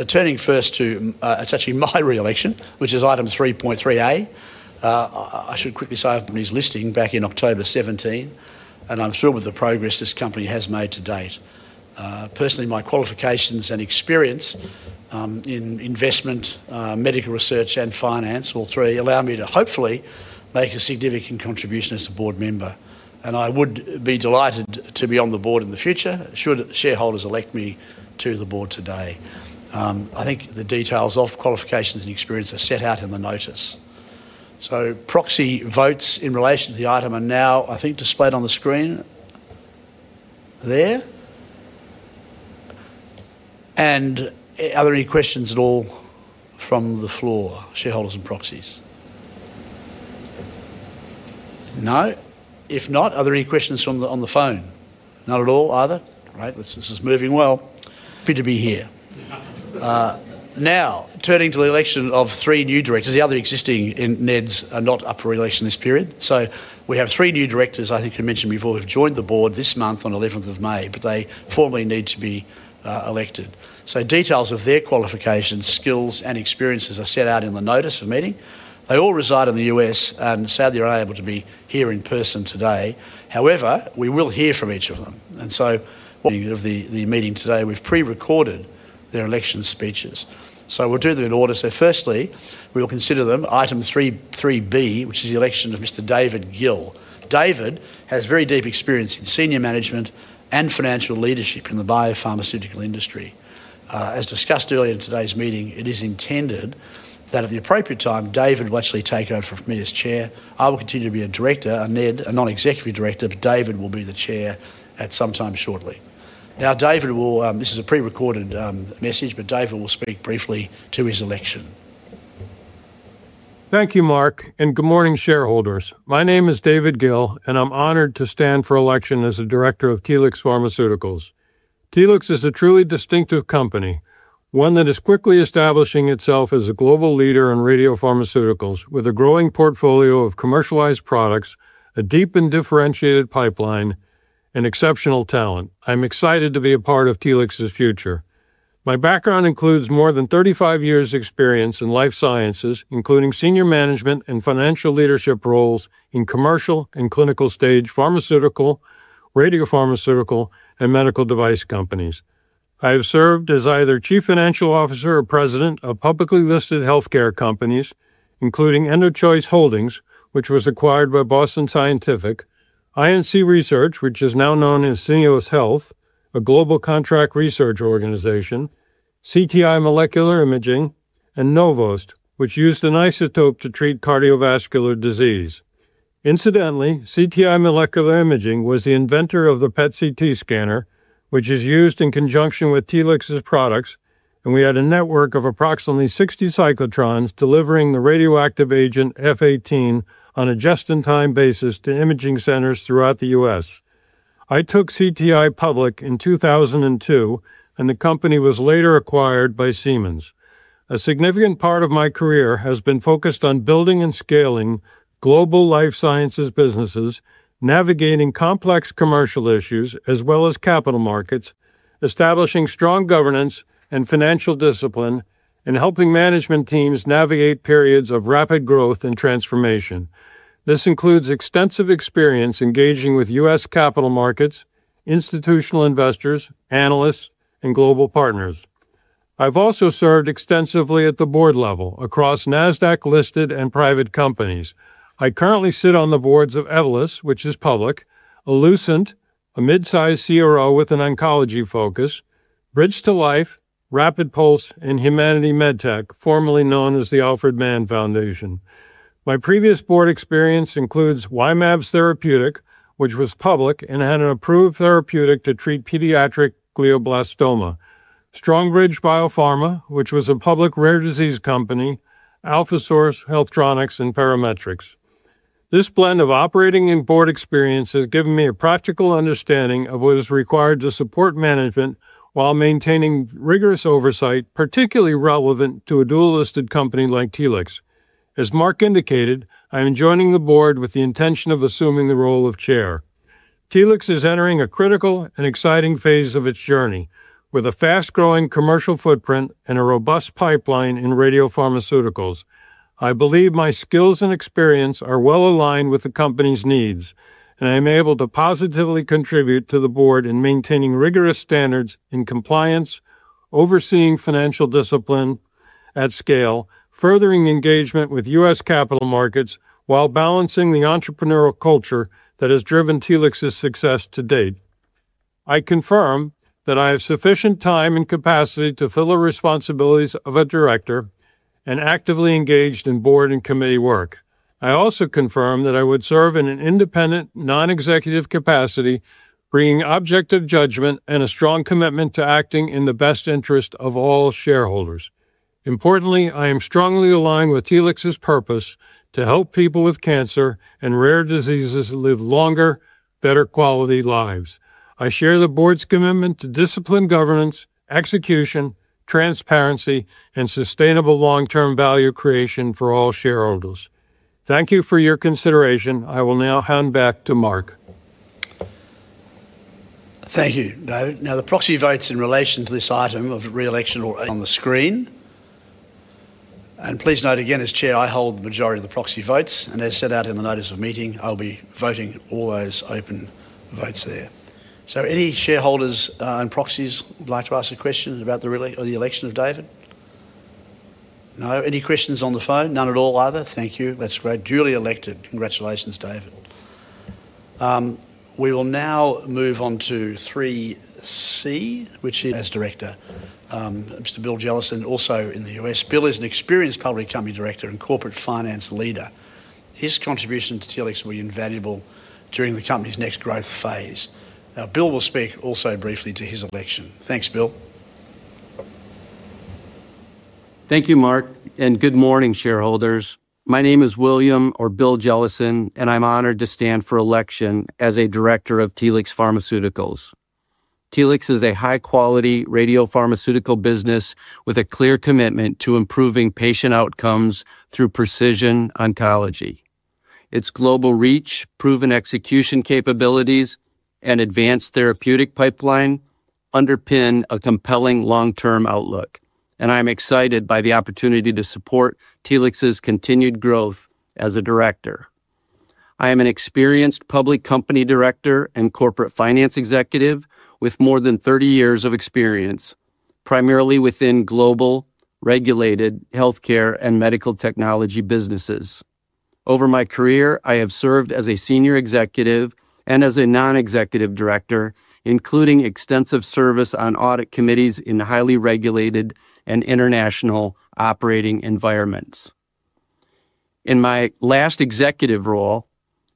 Turning first to, it's actually my re-election, which is item 3.3A. I should quickly say I opened this listing back in October 2017, and I'm thrilled with the progress this company has made to date. Personally, my qualifications and experience in investment, medical research and finance, all three, allow me to hopefully make a significant contribution as a board member, and I would be delighted to be on the board in the future should shareholders elect me to the board today. I think the details of qualifications and experience are set out in the notice. Proxy votes in relation to the item are now, I think, displayed on the screen there. Are there any questions at all from the floor, shareholders and proxies? No. If not, are there any questions on the phone? Not at all either. All right. This is moving well. Good to be here. Turning to the election of three new directors. The other existing NEDs are not up for re-election this period. We have three new directors, I think I mentioned before, who have joined the board this month on the 11th of May, but they formally need to be elected. Details of their qualifications, skills, and experiences are set out in the notice of meeting. They all reside in the U.S., and sadly, are unable to be here in person today. However, we will hear from each of them, and so of the meeting today. We've pre-recorded their election speeches. We'll do them in order. Firstly, we will consider them item 3.3B, which is the election of Mr. David Gill. David has very deep experience in senior management and financial leadership in the biopharmaceutical industry. As discussed earlier in today's meeting, it is intended that at the appropriate time, David will actually take over from me as Chair. I will continue to be a Director, a NED, a Non-Executive Director. David will be the Chair at some time shortly. This is a pre-recorded message. David will speak briefly to his election. Thank you, Mark. Good morning, shareholders. My name is David Gill, and I'm honored to stand for election as a Director of Telix Pharmaceuticals. Telix is a truly distinctive company, one that is quickly establishing itself as a global leader in radiopharmaceuticals, with a growing portfolio of commercialized products, a deep and differentiated pipeline, and exceptional talent. I'm excited to be a part of Telix's future. My background includes more than 35 years' experience in life sciences, including senior management and financial leadership roles in commercial and clinical-stage pharmaceutical, radiopharmaceutical, and medical device companies. I have served as either Chief Financial Officer or President of publicly listed healthcare companies, including EndoChoice Holdings, which was acquired by Boston Scientific, INC Research, which is now known as Syneos Health, a global contract research organization, CTI Molecular Imaging, and Novoste, which used an isotope to treat cardiovascular disease. Incidentally, CTI Molecular Imaging was the inventor of the PET/CT scanner, which is used in conjunction with Telix's products, and we had a network of approximately 60 cyclotrons delivering the radioactive agent F-18 on a just-in-time basis to imaging centers throughout the U.S. I took CTI public in 2002, and the company was later acquired by Siemens. A significant part of my career has been focused on building and scaling global life sciences businesses, navigating complex commercial issues as well as capital markets, establishing strong governance and financial discipline, and helping management teams navigate periods of rapid growth and transformation. This includes extensive experience engaging with U.S. capital markets, institutional investors, analysts, and global partners. I've also served extensively at the board level across Nasdaq-listed and private companies. I currently sit on the boards of Evolus, which is public, Allucent, a midsize CRO with an oncology focus, Bridge to Life, RapidPulse, and huMannity Medtec, formerly known as The Alfred E. Mann Foundation for Scientific Research. My previous board experience includes Y-mAbs Therapeutics, which was public and had an approved therapeutic to treat pediatric glioblastoma, Strongbridge Biopharma, which was a public rare disease company, Alpha Source, HealthTronics, and Parametrics Medical. This blend of operating and board experience has given me a practical understanding of what is required to support management while maintaining rigorous oversight, particularly relevant to a dual-listed company like Telix. As Mark indicated, I am joining the board with the intention of assuming the role of chair. Telix is entering a critical and exciting phase of its journey. With a fast-growing commercial footprint and a robust pipeline in radiopharmaceuticals, I believe my skills and experience are well aligned with the company's needs, and I am able to positively contribute to the board in maintaining rigorous standards in compliance, overseeing financial discipline at scale, furthering engagement with U.S. capital markets, while balancing the entrepreneurial culture that has driven Telix's success to date. I confirm that I have sufficient time and capacity to fill the responsibilities of a director and actively engaged in board and committee work. I also confirm that I would serve in an independent, non-executive capacity, bringing objective judgment and a strong commitment to acting in the best interest of all shareholders. Importantly, I am strongly aligned with Telix's purpose to help people with cancer and rare diseases live longer, better-quality lives. I share the board's commitment to disciplined governance, execution, transparency, and sustainable long-term value creation for all shareholders. Thank you for your consideration. I will now hand back to Mark. Thank you, David. The proxy votes in relation to this item of re-election are on the screen. Please note again, as Chair, I hold the majority of the proxy votes, and as set out in the notice of meeting, I'll be voting all those open votes there. Any shareholders and proxies would like to ask a question about the election of David? No. Any questions on the phone? None at all either. Thank you. That's great. Duly elected. Congratulations, David. We will now move on to 3C, which is Director, Mr. William Jellison, also in the U.S. Bill is an experienced public company Director and corporate finance leader. His contribution to Telix will be invaluable during the company's next growth phase. Bill will speak also briefly to his election. Thanks, Bill. Thank you, Mark. Good morning, shareholders. My name is William, or Bill, Jellison, and I'm honored to stand for election as a Director of Telix Pharmaceuticals. Telix is a high-quality radiopharmaceutical business with a clear commitment to improving patient outcomes through precision oncology. Its global reach, proven execution capabilities, and advanced therapeutic pipeline underpin a compelling long-term outlook, and I'm excited by the opportunity to support Telix's continued growth as a Director. I am an experienced public company director and corporate finance executive with more than 30 years of experience, primarily within global regulated healthcare and medical technology businesses. Over my career, I have served as a senior executive and as a non-executive director, including extensive service on audit committees in highly regulated and international operating environments. In my last executive role,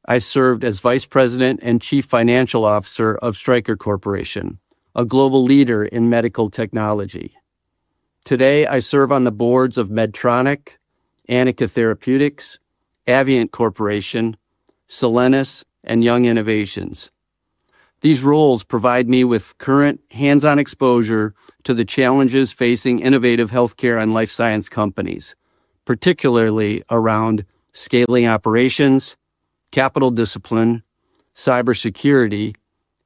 I served as Vice President and Chief Financial Officer of Stryker Corporation, a global leader in medical technology. Today, I serve on the boards of Medtronic, Anika Therapeutics, Avient Corporation, Solenis, and Young Innovations. These roles provide me with current hands-on exposure to the challenges facing innovative healthcare and life science companies, particularly around scaling operations, capital discipline, cybersecurity,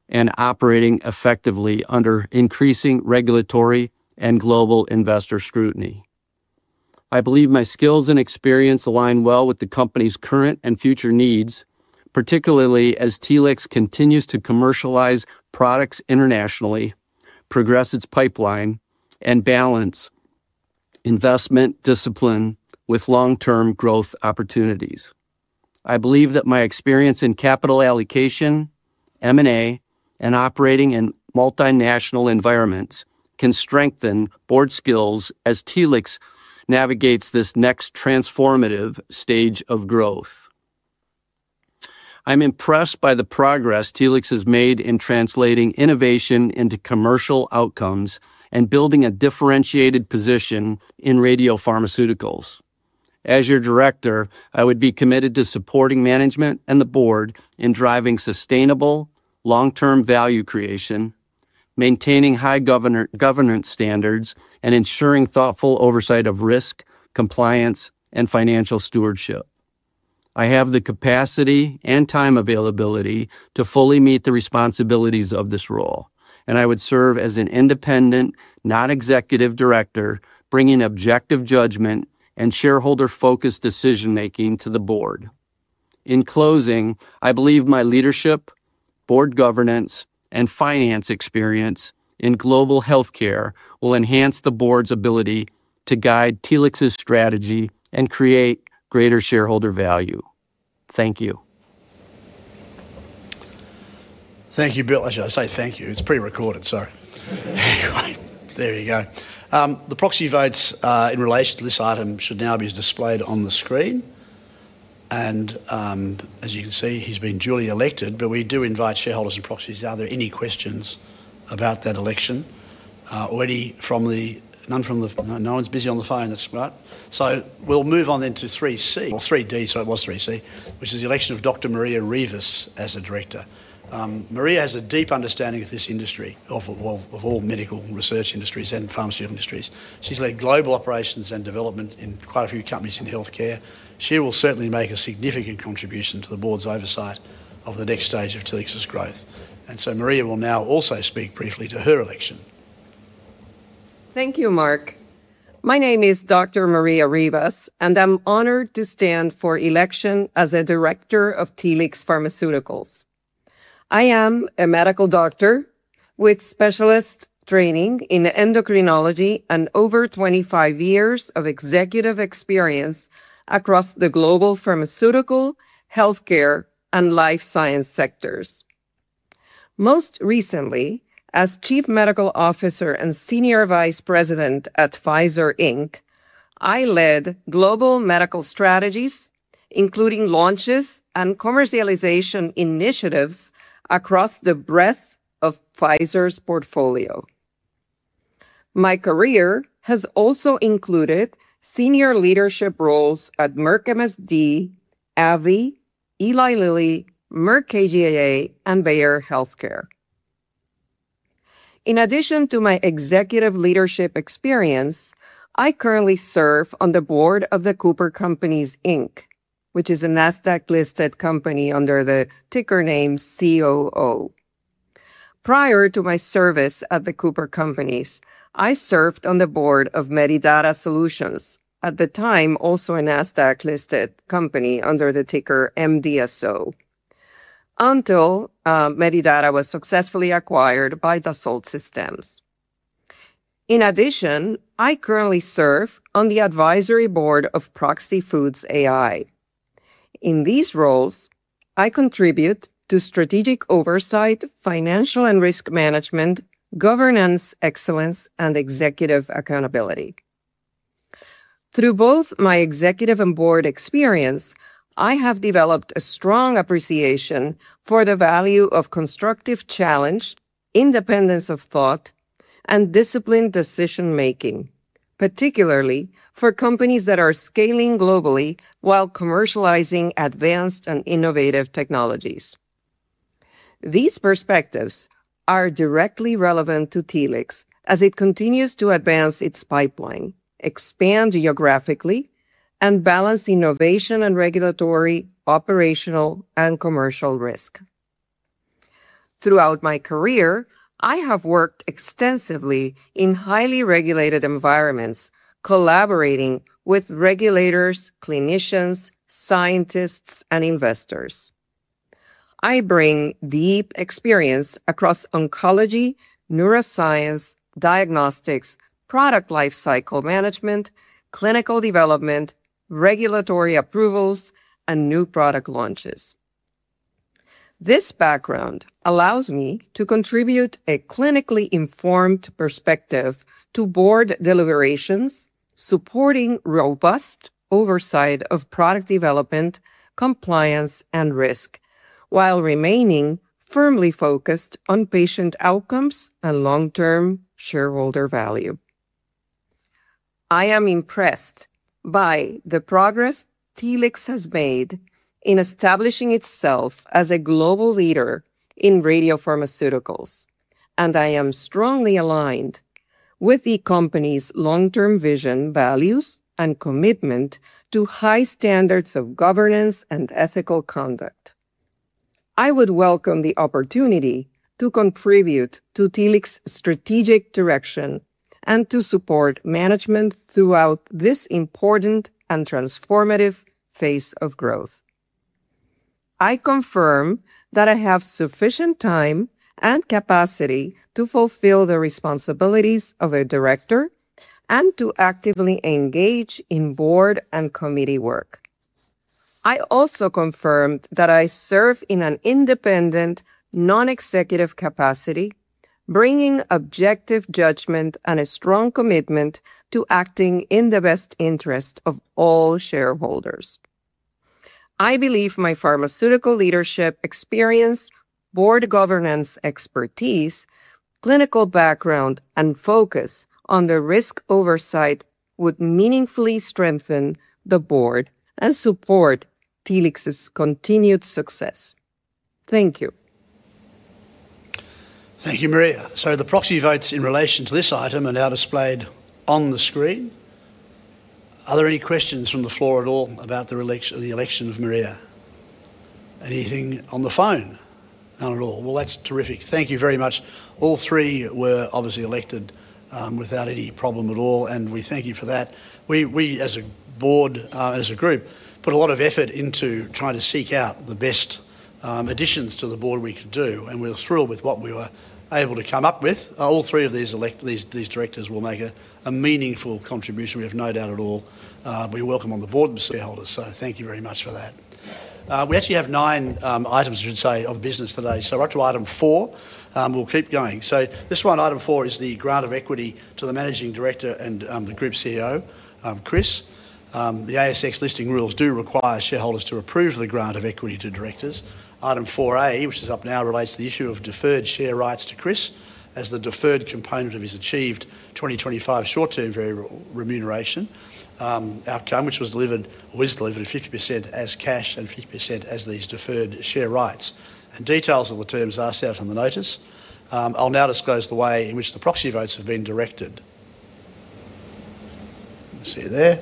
and operating effectively under increasing regulatory and global investor scrutiny. I believe my skills and experience align well with the company's current and future needs, particularly as Telix continues to commercialize products internationally, progress its pipeline, and balance investment discipline with long-term growth opportunities. I believe that my experience in capital allocation, M&A, and operating in multinational environments can strengthen board skills as Telix navigates this next transformative stage of growth. I'm impressed by the progress Telix has made in translating innovation into commercial outcomes and building a differentiated position in radiopharmaceuticals. As your director, I would be committed to supporting management and the board in driving sustainable long-term value creation, maintaining high governance standards, and ensuring thoughtful oversight of risk, compliance, and financial stewardship. I have the capacity and time availability to fully meet the responsibilities of this role, and I would serve as an independent, non-executive director, bringing objective judgment and shareholder-focused decision-making to the board. In closing, I believe my leadership, board governance, and finance experience in global healthcare will enhance the board's ability to guide Telix's strategy and create greater shareholder value. Thank you. Thank you, Bill. I say thank you, it's prerecorded. Sorry. There you go. The proxy votes in relation to this item should now be displayed on the screen. As you can see, he's been duly elected. We do invite shareholders and proxies. Are there any questions about that election? No one's busy on the phone, that's right. We'll move on then to 3C or 3D, sorry it was 3C, which is the election of Dr. Maria Rivas as a director. Maria has a deep understanding of this industry, of all medical research industries and pharmacy industries. She's led global operations and development in quite a few companies in healthcare. She will certainly make a significant contribution to the board's oversight of the next stage of Telix's growth. Maria will now also speak briefly to her election. Thank you, Mark. My name is Dr. Maria Rivas, and I'm honored to stand for election as a Director of Telix Pharmaceuticals. I am a Medical Doctor with specialist training in endocrinology and over 25 years of executive experience across the global pharmaceutical, healthcare, and life science sectors. Most recently, as Chief Medical Officer and Senior Vice President at Pfizer Inc., I led global medical strategies, including launches and commercialization initiatives across the breadth of Pfizer's portfolio. My career has also included senior leadership roles at Merck MSD, AbbVie, Eli Lilly, Merck KGaA, and Bayer HealthCare. In addition to my executive leadership experience, I currently serve on the board of The Cooper Companies, Inc., which is a Nasdaq-listed company under the ticker name COO. Prior to my service at The Cooper Companies, I served on the board of Medidata Solutions, at the time also a Nasdaq-listed company under the ticker MDSO, until Medidata was successfully acquired by Dassault Systèmes. In addition, I currently serve on the advisory board of Proxy Foods AI. In these roles, I contribute to strategic oversight, financial and risk management, governance excellence, and executive accountability. Through both my executive and board experience, I have developed a strong appreciation for the value of constructive challenge, independence of thought, and disciplined decision-making, particularly for companies that are scaling globally while commercializing advanced and innovative technologies. These perspectives are directly relevant to Telix as it continues to advance its pipeline, expand geographically, and balance innovation and regulatory, operational, and commercial risk. Throughout my career, I have worked extensively in highly regulated environments, collaborating with regulators, clinicians, scientists, and investors. I bring deep experience across oncology, neuroscience, diagnostics, product lifecycle management, clinical development, regulatory approvals, and new product launches. This background allows me to contribute a clinically informed perspective to board deliberations, supporting robust oversight of product development, compliance, and risk, while remaining firmly focused on patient outcomes and long-term shareholder value. I am impressed by the progress Telix has made in establishing itself as a global leader in radiopharmaceuticals, and I am strongly aligned with the company's long-term vision, values, and commitment to high standards of governance and ethical conduct. I would welcome the opportunity to contribute to Telix's strategic direction and to support management throughout this important and transformative phase of growth. I confirm that I have sufficient time and capacity to fulfill the responsibilities of a director and to actively engage in board and committee work. I also confirmed that I serve in an independent, non-executive capacity, bringing objective judgment and a strong commitment to acting in the best interest of all shareholders. I believe my pharmaceutical leadership experience, board governance expertise, clinical background, and focus on the risk oversight would meaningfully strengthen the board and support Telix's continued success. Thank you. Thank you, Maria. The proxy votes in relation to this item are now displayed on the screen. Are there any questions from the floor at all about the election of Maria? Anything on the phone? None at all. Well, that's terrific. Thank you very much. All three were obviously elected without any problem at all, and we thank you for that. We, as a board, as a group, put a lot of effort into trying to seek out the best additions to the board we could do, and we're thrilled with what we were able to come up with. All three of these directors will make a meaningful contribution. We have no doubt at all. We welcome on the board and to shareholders. Thank you very much for that. We actually have 9 Items, I should say, of business today. We're up to Item 4. We'll keep going. This one, Item 4, is the grant of equity to the Managing Director and the Group Chief Executive Officer, Chris. The ASX listing rules do require shareholders to approve the grant of equity to directors. Item 4A, which is up now, relates to the issue of deferred share rights to Chris as the deferred component of his achieved 2025 short-term variable remuneration outcome, which was delivered, or is delivered, 50% as cash and 50% as these deferred share rights. Details of the terms are set out on the notice. I'll now disclose the way in which the proxy votes have been directed. See there.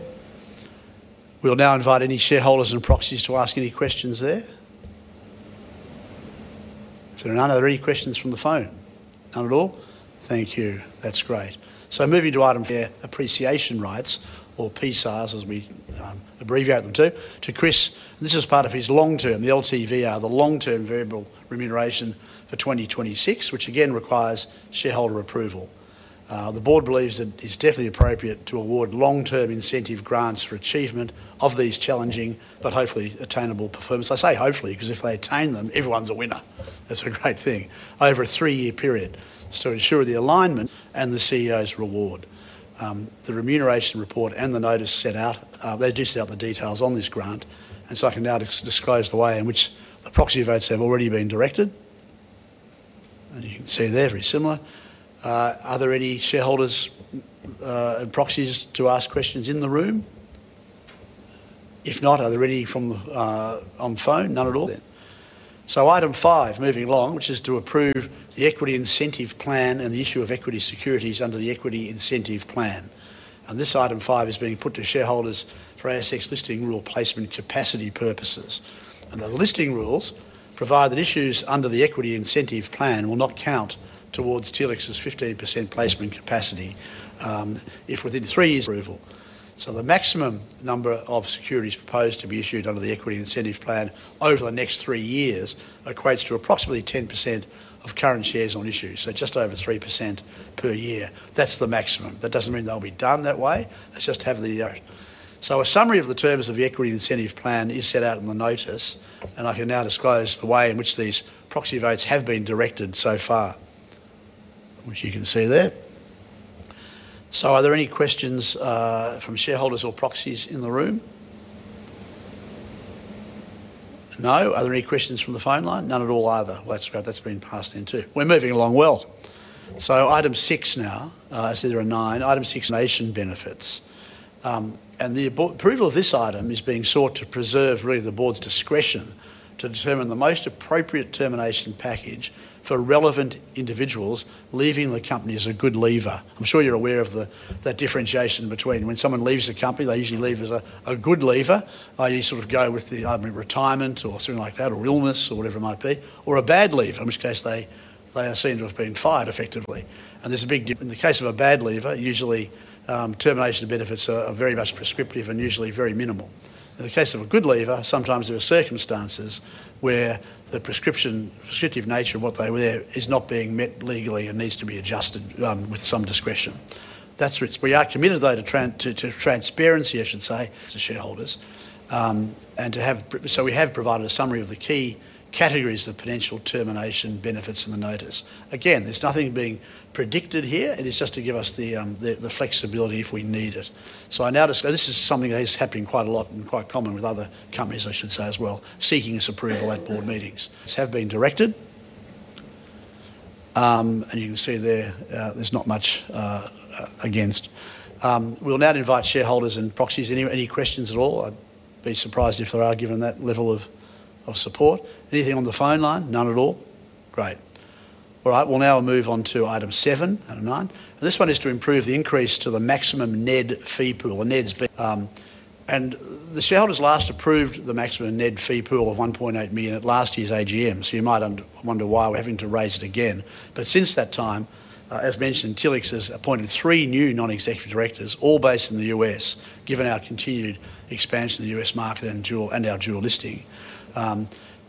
We'll now invite any shareholders and proxies to ask any questions there. If there are none, are there any questions from the phone? None at all? Thank you. That's great. Moving to Item 4, appreciation rights, or SARs, as we abbreviate them to Chris. This is part of his long-term, the LTVR, the long-term variable remuneration for 2026, which again requires shareholder approval. The board believes that it's definitely appropriate to award long-term incentive grants for achievement of these challenging but hopefully attainable performance. I say hopefully because if they attain them, everyone's a winner. That's a great thing. Over a three-year period to ensure the alignment and the CEO's reward. The remuneration report and the notice, they do set out the details on this grant. I can now disclose the way in which the proxy votes have already been directed. You can see there, very similar. Are there any shareholders and proxies to ask questions in the room? If not, are there any on the phone? None at all. Item 5, moving along, which is to approve the equity incentive plan and the issue of equity securities under the equity incentive plan. This Item 5 is being put to shareholders for ASX Listing Rule placement capacity purposes. The Listing Rules provide that issues under the equity incentive plan will not count towards Telix's 15% placement capacity if within three years approval. The maximum number of securities proposed to be issued under the equity incentive plan over the next three years equates to approximately 10% of current shares on issue. Just over 3% per year. That's the maximum. That doesn't mean they'll be done that way. A summary of the terms of the equity incentive plan is set out in the notice, and I can now disclose the way in which these proxy votes have been directed so far, which you can see there. Are there any questions from shareholders or proxies in the room? No. Are there any questions from the phone line? None at all either. Well, that's great. That's been passed in too. We're moving along well. Item 6 now. I said there are 9. Item 6, termination benefits. The approval of this item is being sought to preserve, really, the board's discretion to determine the most appropriate termination package for relevant individuals leaving the company as a good leaver. I'm sure you're aware of the differentiation between when someone leaves the company, they usually leave as a good leaver, i.e., sort of go with the retirement or something like that, or illness or whatever it might be, or a bad leaver, in which case they are seen to have been fired effectively. There's a big difference. In the case of a bad leaver, usually termination benefits are very much prescriptive and usually very minimal. In the case of a good leaver, sometimes there are circumstances where the prescriptive nature of what they were there is not being met legally and needs to be adjusted with some discretion. That's rich. We are committed, though, to transparency, I should say, to shareholders. We have provided a summary of the key categories of potential termination benefits in the notice. Again, there's nothing being predicted here. It is just to give us the flexibility if we need it. This is something that is happening quite a lot and quite common with other companies, I should say as well, seeking this approval at board meetings. These have been directed. You can see there's not much against. We'll now invite shareholders and proxies. Any questions at all? I'd be surprised if there are, given that level of support. Anything on the phone line? None at all. Great. All right. We'll now move on to Item 7 out of 9. This one is to improve the increase to the maximum NED fee pool. The shareholders last approved the maximum NED fee pool of 1.8 million at last year's AGM. You might wonder why we're having to raise it again. Since that time, as mentioned, Telix has appointed three new non-executive directors, all based in the U.S., given our continued expansion in the U.S. market and our dual listing.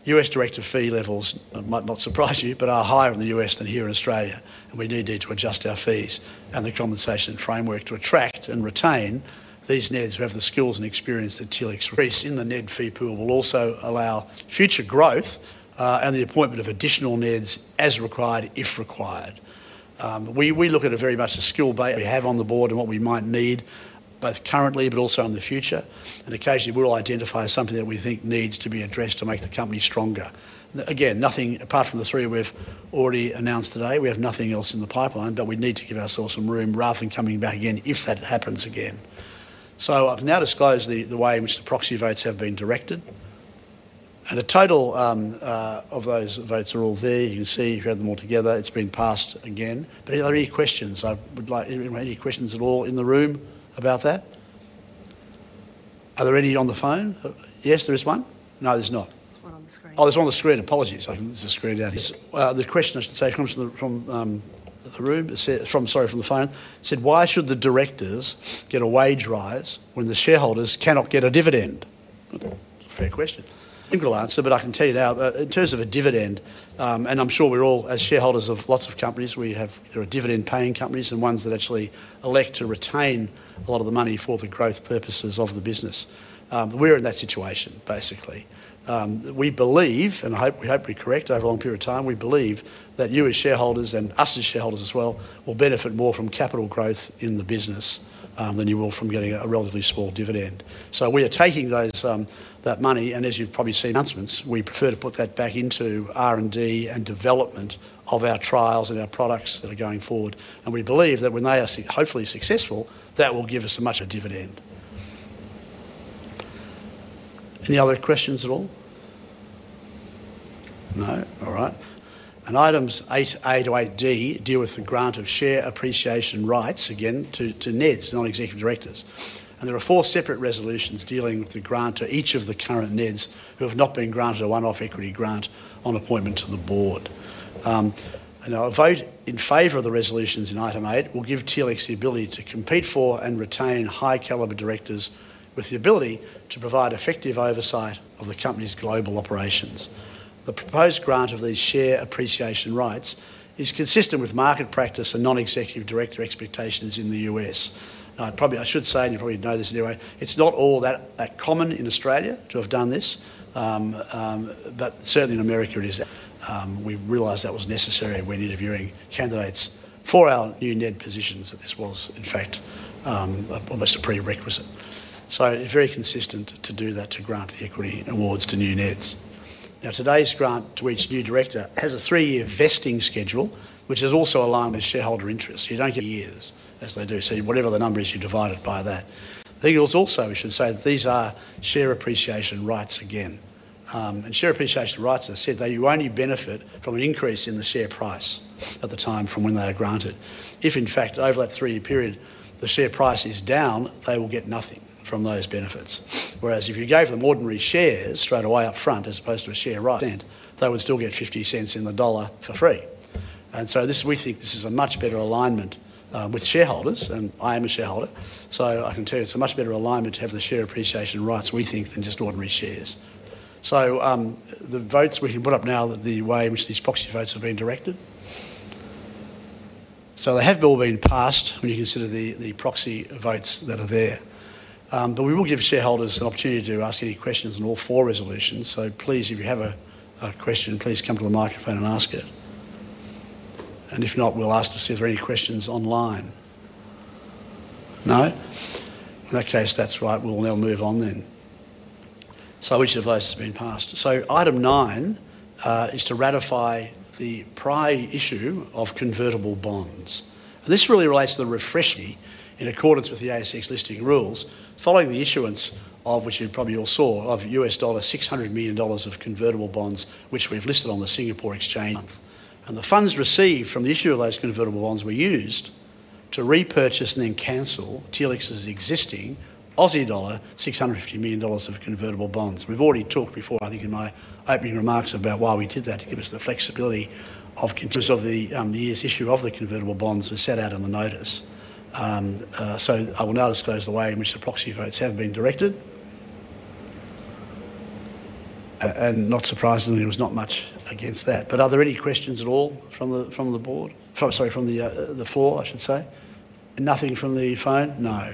U.S. director fee levels, might not surprise you, but are higher in the U.S. than here in Australia, and we need then to adjust our fees and the compensation framework to attract and retain these NEDs who have the skills and experience that. The increase in the NED fee pool will also allow future growth, and the appointment of additional NEDs as required, if required. We look at it very much a skill we have on the board and what we might need, both currently, but also in the future. Occasionally, we'll identify something that we think needs to be addressed to make the company stronger. Apart from the three we've already announced today, we have nothing else in the pipeline. We need to give ourselves some room rather than coming back again, if that happens again. I've now disclosed the way in which the proxy votes have been directed. A total of those votes are all there. You can see if you add them all together, it's been passed again. Are there any questions? I would like any questions at all in the room about that. Are there any on the phone? Yes, there is one. No, there's not. There's one on the screen. Oh, there's one on the screen. Apologies. I think there's a screen down here. The question, I should say, comes from the phone. It said, "Why should the directors get a wage rise when the shareholders cannot get a dividend?" Fair question. I think we'll answer, but I can tell you now that in terms of a dividend, and I'm sure we're all, as shareholders of lots of companies, there are dividend-paying companies and ones that actually elect to retain a lot of the money for the growth purposes of the business. We're in that situation, basically. We believe, and we hope we're correct, over a long period of time, we believe that you as shareholders and us as shareholders as well will benefit more from capital growth in the business than you will from getting a relatively small dividend. We are taking that money, and as you've probably seen announcements, we prefer to put that back into R&D and development of our trials and our products that are going forward. We believe that when they are hopefully successful, that will give us as much a dividend. Any other questions at all? No? All right. Items 8A to 8D deal with the grant of share appreciation rights, again, to NEDs, non-executive directors. There are four separate resolutions dealing with the grant to each of the current NEDs who have not been granted a one-off equity grant on appointment to the board. A vote in favor of the resolutions in Item 8 will give Telix the ability to compete for and retain high caliber directors with the ability to provide effective oversight of the company's global operations. The proposed grant of these share appreciation rights is consistent with market practice and Non-Executive Director expectations in the U.S. I should say, and you probably know this anyway, it's not all that common in Australia to have done this. Certainly in America, it is. We realized that was necessary when interviewing candidates for our new NED positions, that this was, in fact, almost a prerequisite. Very consistent to do that to grant the equity awards to new NEDs. Today's grant to each new director has a three-year vesting schedule, which is also aligned with shareholder interest. You don't get years as they do. Whatever the number is, you divide it by that. Also, we should say that these are share appreciation rights again. Stock Appreciation Rights, as I said, you only benefit from an increase in the share price at the time from when they are granted. If in fact over that three year period, the share price is down, they will get nothing from those benefits. Whereas if you gave them ordinary shares straight away up front as opposed to a share right, they would still get 0.50 in the dollar for free. We think this is a much better alignment with shareholders, and I am a shareholder, so I can tell you it's a much better alignment to have the Stock Appreciation Rights, we think, than just ordinary shares. The votes, we can put up now the way in which these proxy votes have been directed. They have all been passed when you consider the proxy votes that are there. We will give shareholders an opportunity to ask any questions on all four resolutions. Please, if you have a question, please come to the microphone and ask it. If not, we will ask to see if there are any questions online. No? In that case, that is right. We will now move on then. Each of those has been passed. Item 9 is to ratify the prior issue of convertible bonds. This really relates to the refresh in accordance with the ASX Listing Rules, following the issuance of, which you probably all saw, of $600 million of convertible bonds, which we have listed on the Singapore Exchange. The funds received from the issue of those convertible bonds were used to repurchase and then cancel Telix's existing Aussie dollar 650 million of convertible bonds. We've already talked before, I think, in my opening remarks about why we did that to give us the flexibility because of the year's issue of the convertible bonds as set out on the notice. I will now disclose the way in which the proxy votes have been directed. Not surprisingly, there was not much against that. Are there any questions at all from the floor, I should say? Nothing from the phone? No.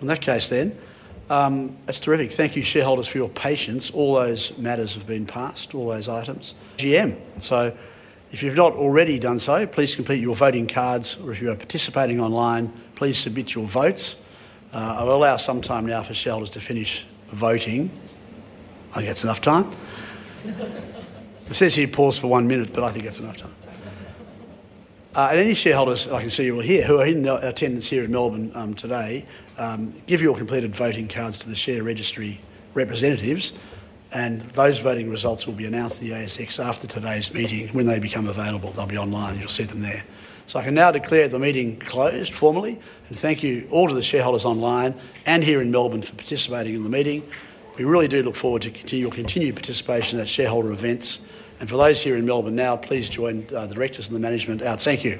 In that case then, that's terrific. Thank you, shareholders, for your patience. All those matters have been passed, all those items. GM. If you've not already done so, please complete your voting cards, or if you are participating online, please submit your votes. I will allow some time now for shareholders to finish voting. I think that's enough time. It says here pause for one minute, but I think that's enough time. Any shareholders, I can see you all here, who are in attendance here in Melbourne today, give your completed voting cards to the share registry representatives, and those voting results will be announced to the ASX after today's meeting. When they become available, they'll be online. You'll see them there. I can now declare the meeting closed formally, and thank you all to the shareholders online and here in Melbourne for participating in the meeting. We really do look forward to your continued participation at shareholder events. For those here in Melbourne now, please join the directors and the management out. Thank you